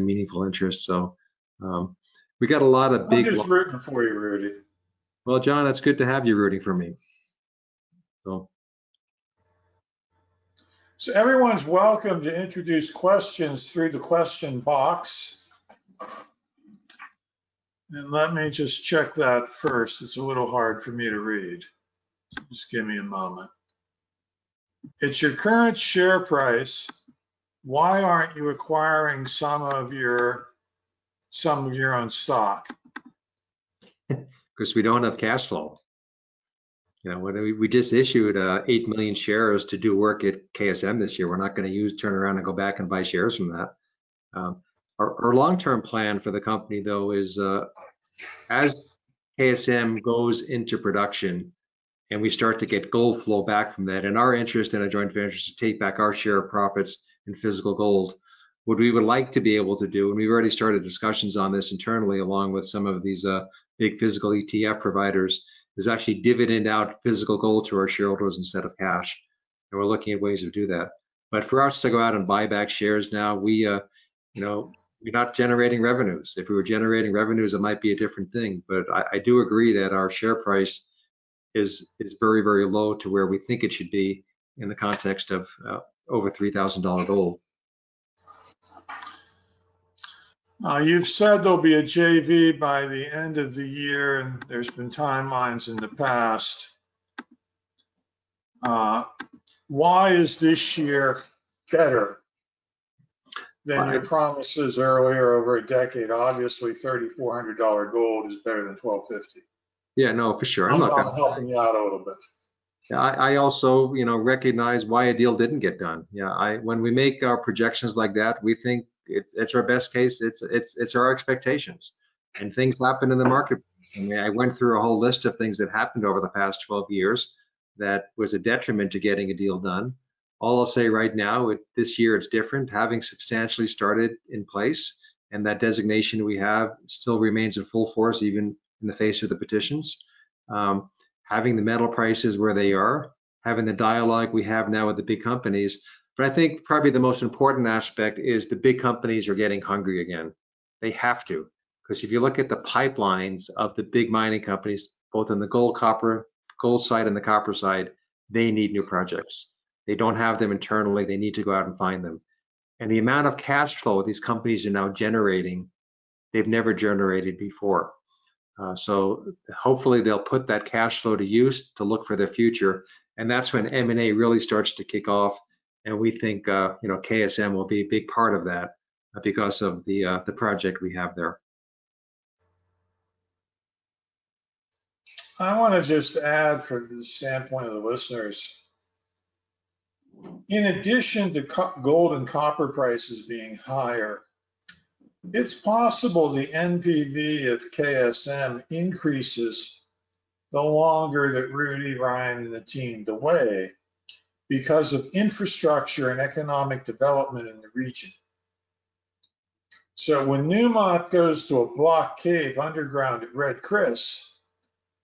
meaningful interest. So we got a lot of big. I'll just root for you, Rudi. John, that's good to have you rooting for me. Everyone's welcome to introduce questions through the question box. Let me just check that first. It's a little hard for me to read. Just give me a moment. At your current share price, why aren't you acquiring some of your own stock? Because we do not have cash flow. We just issued 8 million shares to do work at KSM this year. We are not going to use, turn around, and go back and buy shares from that. Our long-term plan for the company, though, is as KSM goes into production and we start to get gold flow back from that, and our interest in a joint venture is to take back our share of profits in physical gold. What we would like to be able to do, and we have already started discussions on this internally along with some of these big physical ETF providers, is actually dividend out physical gold to our shareholders instead of cash. We are looking at ways to do that. For us to go out and buy back shares now, we are not generating revenues. If we were generating revenues, it might be a different thing. I do agree that our share price is very, very low to where we think it should be in the context of over $3,000 gold. You've said there'll be a JV by the end of the year, and there's been timelines in the past. Why is this year better than your promises earlier over a decade? Obviously, $3,400 gold is better than $1,250. Yeah, no, for sure. I'm not helping you out a little bit. Yeah, I also recognize why a deal didn't get done. Yeah, when we make our projections like that, we think it's our best case. It's our expectations. I mean, things happen in the marketplace. I went through a whole list of things that happened over the past 12 years that was a detriment to getting a deal done. All I'll say right now, this year it's different. Having substantially started in place and that designation we have still remains in full force even in the face of the petitions. Having the metal prices where they are, having the dialogue we have now with the big companies. I think probably the most important aspect is the big companies are getting hungry again. They have to. Because if you look at the pipelines of the big mining companies, both in the gold copper, gold side, and the copper side, they need new projects. They do not have them internally. They need to go out and find them. The amount of cash flow these companies are now generating, they have never generated before. Hopefully they will put that cash flow to use to look for their future. That is when M&A really starts to kick off. We think KSM will be a big part of that because of the project we have there. I want to just add from the standpoint of the listeners, in addition to gold and copper prices being higher, it is possible the NPV of KSM increases the longer that Rudi, Ryan, and the team delay because of infrastructure and economic development in the region. When Newmont goes to a block cave underground at Red Chris,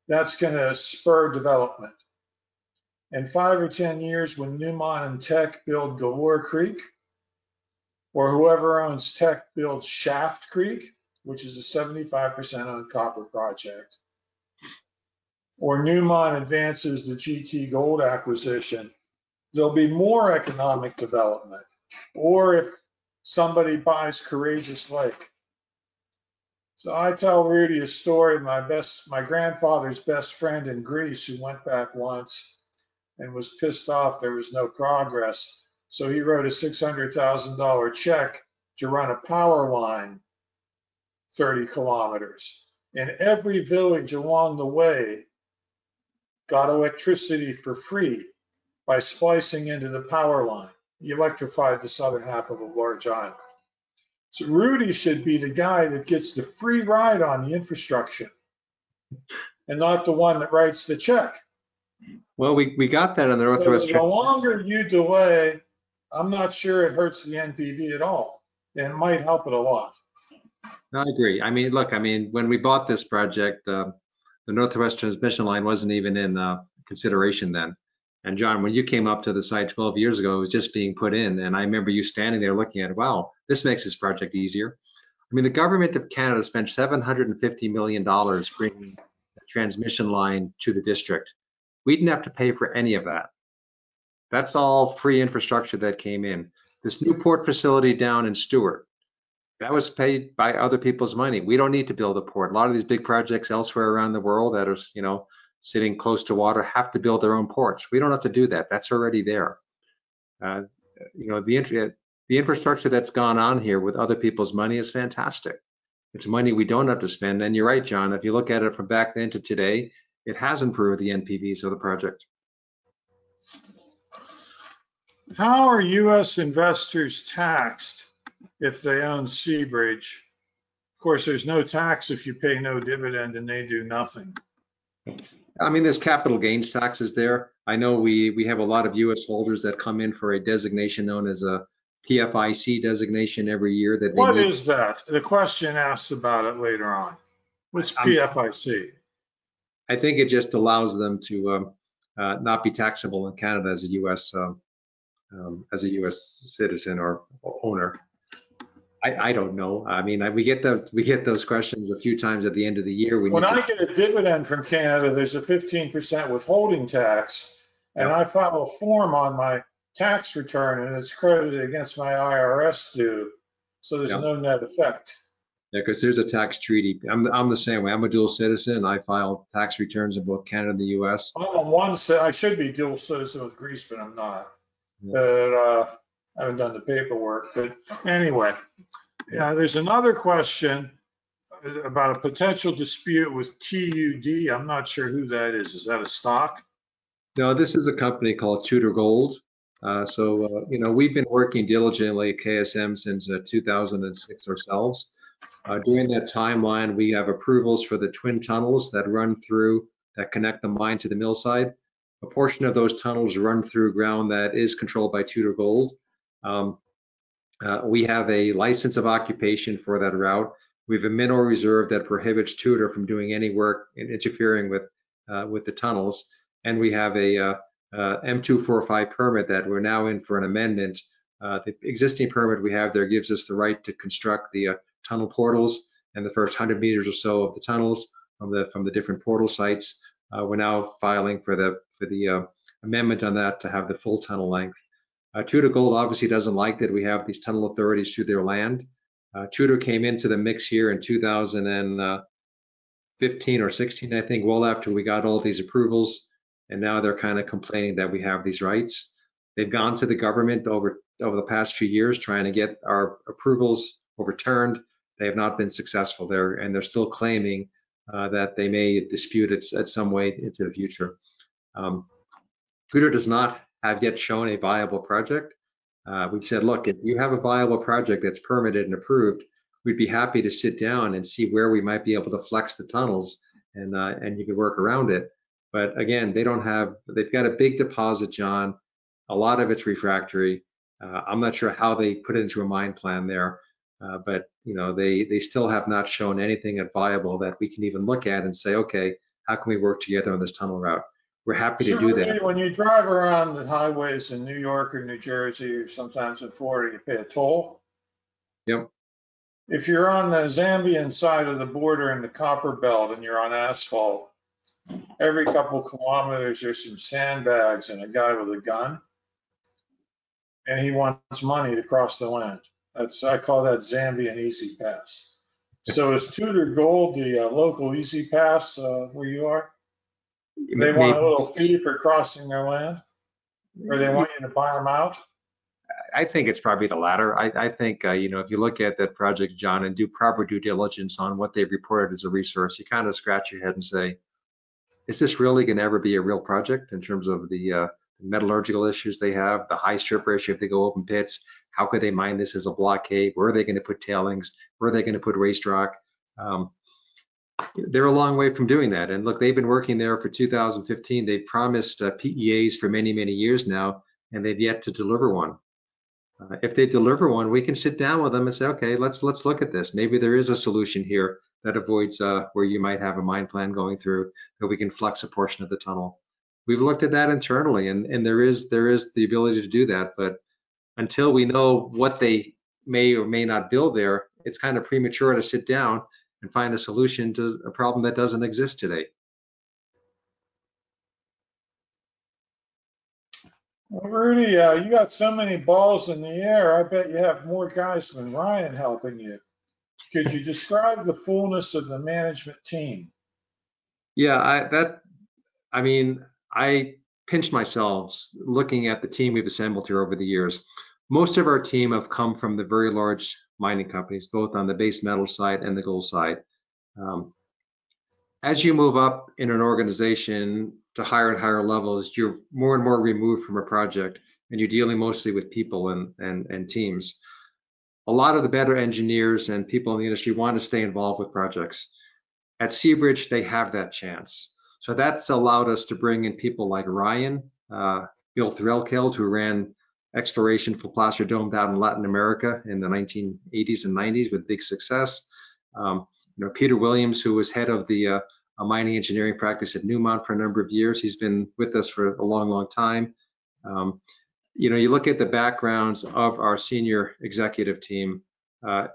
that's going to spur development. In five or ten years, when Newmont and Teck build Galore Creek, or whoever owns Teck builds Schaft Creek, which is a 75% on copper project, or Newmont advances the GT Gold acquisition, there'll be more economic development. If somebody buys Courageous Lake. I tell Rudi a story, my grandfather's best friend in Greece who went back once and was pissed off there was no progress. He wrote a $600,000 check to run a power line 30 km. Every village along the way got electricity for free by splicing into the power line. He electrified the southern half of a large island. Rudi should be the guy that gets the free ride on the infrastructure and not the one that writes the check. We got that on the Northwest. Because the longer you delay, I'm not sure it hurts the NPV at all. It might help it a lot. I agree. I mean, look, I mean, when we bought this project, the Northwest Transmission Line was not even in consideration then. John, when you came up to the site 12 years ago, it was just being put in. I remember you standing there looking at it, wow, this makes this project easier. The government of Canada spent 750 million dollars bringing the transmission line to the district. We did not have to pay for any of that. That is all free infrastructure that came in. This new port facility down in Stewart, that was paid by other people's money. We do not need to build a port. A lot of these big projects elsewhere around the world that are sitting close to water have to build their own ports. We do not have to do that. That is already there. The infrastructure that has gone on here with other people's money is fantastic. It's money we don't have to spend. You're right, John, if you look at it from back then to today, it has improved the NPVs of the project. How are U.S. investors taxed if they own Seabridge? Of course, there's no tax if you pay no dividend and they do nothing. I mean, there's capital gains taxes there. I know we have a lot of U.S. holders that come in for a designation known as a PFIC designation every year that they. What is that? The question asks about it later on. What's PFIC? I think it just allows them to not be taxable in Canada as a U.S. citizen or owner. I don't know. I mean, we get those questions a few times at the end of the year. When I get a dividend from Canada, there's a 15% withholding tax. I file a form on my tax return, and it's credited against my IRS due. There is no net effect. Yeah, because there's a tax treaty. I'm the same way. I'm a dual citizen. I file tax returns in both Canada and the U.S. I'm on one side. I should be a dual citizen with Greece, but I'm not. I haven't done the paperwork. Anyway, there's another question about a potential dispute with TUD. I'm not sure who that is. Is that a stock? No, this is a company called Tudor Gold. We have been working diligently at KSM since 2006 ourselves. During that timeline, we have approvals for the twin tunnels that run through that connect the mine to the mill side. A portion of those tunnels run through ground that is controlled by Tudor Gold. We have a license of occupation for that route. We have a mineral reserve that prohibits Tudor from doing any work and interfering with the tunnels. We have an M245 permit that we are now in for an amendment. The existing permit we have there gives us the right to construct the tunnel portals and the first 100 meters or so of the tunnels from the different portal sites. We are now filing for the amendment on that to have the full tunnel length. Tudor Gold obviously does not like that we have these tunnel authorities to their land. Tudor came into the mix here in 2015 or 2016, I think, well after we got all these approvals. Now they're kind of complaining that we have these rights. They've gone to the government over the past few years trying to get our approvals overturned. They have not been successful there. They're still claiming that they may dispute it at some way into the future. Tudor does not have yet shown a viable project. We've said, "Look, if you have a viable project that's permitted and approved, we'd be happy to sit down and see where we might be able to flex the tunnels and you can work around it." Again, they don't have—they've got a big deposit, John. A lot of it's refractory. I'm not sure how they put it into a mine plan there. They still have not shown anything viable that we can even look at and say, "Okay, how can we work together on this tunnel route?" We're happy to do that. When you drive around the highways in New York or New Jersey, sometimes on 40, you pay a toll. Yep. If you're on the Zambian side of the border in the copper belt and you're on asphalt, every couple of km, there's some sandbags and a guy with a gun. He wants money to cross the land. I call that Zambian easy pass. Is Tudor Gold the local easy pass where you are? They want a little fee for crossing their land? Or they want you to buy them out? I think it's probably the latter. I think if you look at that project, John, and do proper due diligence on what they've reported as a resource, you kind of scratch your head and say, "Is this really going to ever be a real project in terms of the metallurgical issues they have, the high surface if they go open pits? How could they mine this as a block cave? Where are they going to put tailings? Where are they going to put waste rock?" They're a long way from doing that. Look, they've been working there since 2015. They've promised PEAs for many, many years now, and they've yet to deliver one. If they deliver one, we can sit down with them and say, "Okay, let's look at this. Maybe there is a solution here that avoids where you might have a mine plan going through that we can flex a portion of the tunnel. We've looked at that internally, and there is the ability to do that. Until we know what they may or may not build there, it's kind of premature to sit down and find a solution to a problem that doesn't exist today. Rudi, you got so many balls in the air. I bet you have more guys than Ryan helping you. Could you describe the fullness of the management team? Yeah. I mean, I pinch myself looking at the team we've assembled here over the years. Most of our team have come from the very large mining companies, both on the base metal side and the gold side. As you move up in an organization to higher and higher levels, you're more and more removed from a project, and you're dealing mostly with people and teams. A lot of the better engineers and people in the industry want to stay involved with projects. At Seabridge, they have that chance. That's allowed us to bring in people like Ryan, Bill Threlkeld, who ran exploration for Placer Dome down in Latin America in the 1980s and 1990s with big success. Peter Williams, who was head of the mining engineering practice at Newmont for a number of years, he's been with us for a long, long time. You look at the backgrounds of our senior executive team,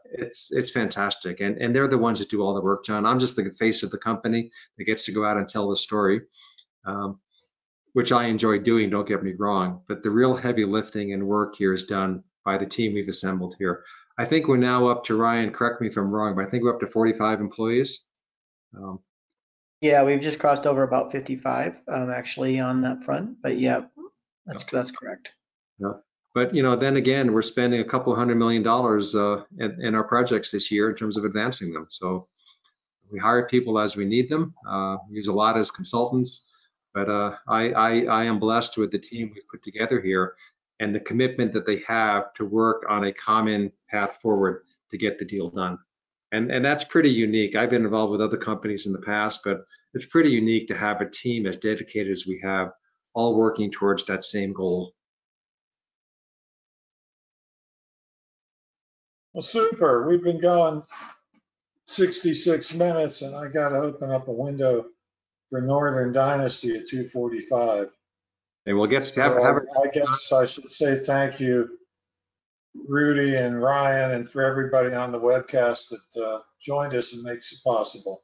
it's fantastic. They're the ones that do all the work, John. I'm just the face of the company that gets to go out and tell the story, which I enjoy doing, don't get me wrong. The real heavy lifting and work here is done by the team we've assembled here. I think we're now up to, Ryan, correct me if I'm wrong, but I think we're up to 45 employees. Yeah, we've just crossed over about 55, actually, on that front. Yeah, that's correct. We're spending a couple of hundred million dollars in our projects this year in terms of advancing them. We hire people as we need them. We use a lot as consultants. I am blessed with the team we've put together here and the commitment that they have to work on a common path forward to get the deal done. That's pretty unique. I've been involved with other companies in the past, but it's pretty unique to have a team as dedicated as we have, all working towards that same goal. Super. We've been going 66 minutes, and I got to open up a window for Northern Dynasty at 2:45. We'll get to have it. I guess I should say thank you, Rudi and Ryan, and for everybody on the webcast that joined us and makes it possible.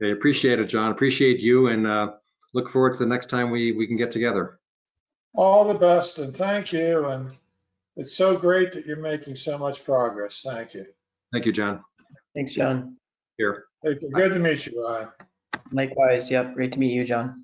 I appreciate it, John. Appreciate you. I look forward to the next time we can get together. All the best. Thank you. It is so great that you are making so much progress. Thank you. Thank you, John. Thanks, John. Here. Good to meet you. Ryan. Likewise. Yep. Great to meet you, John.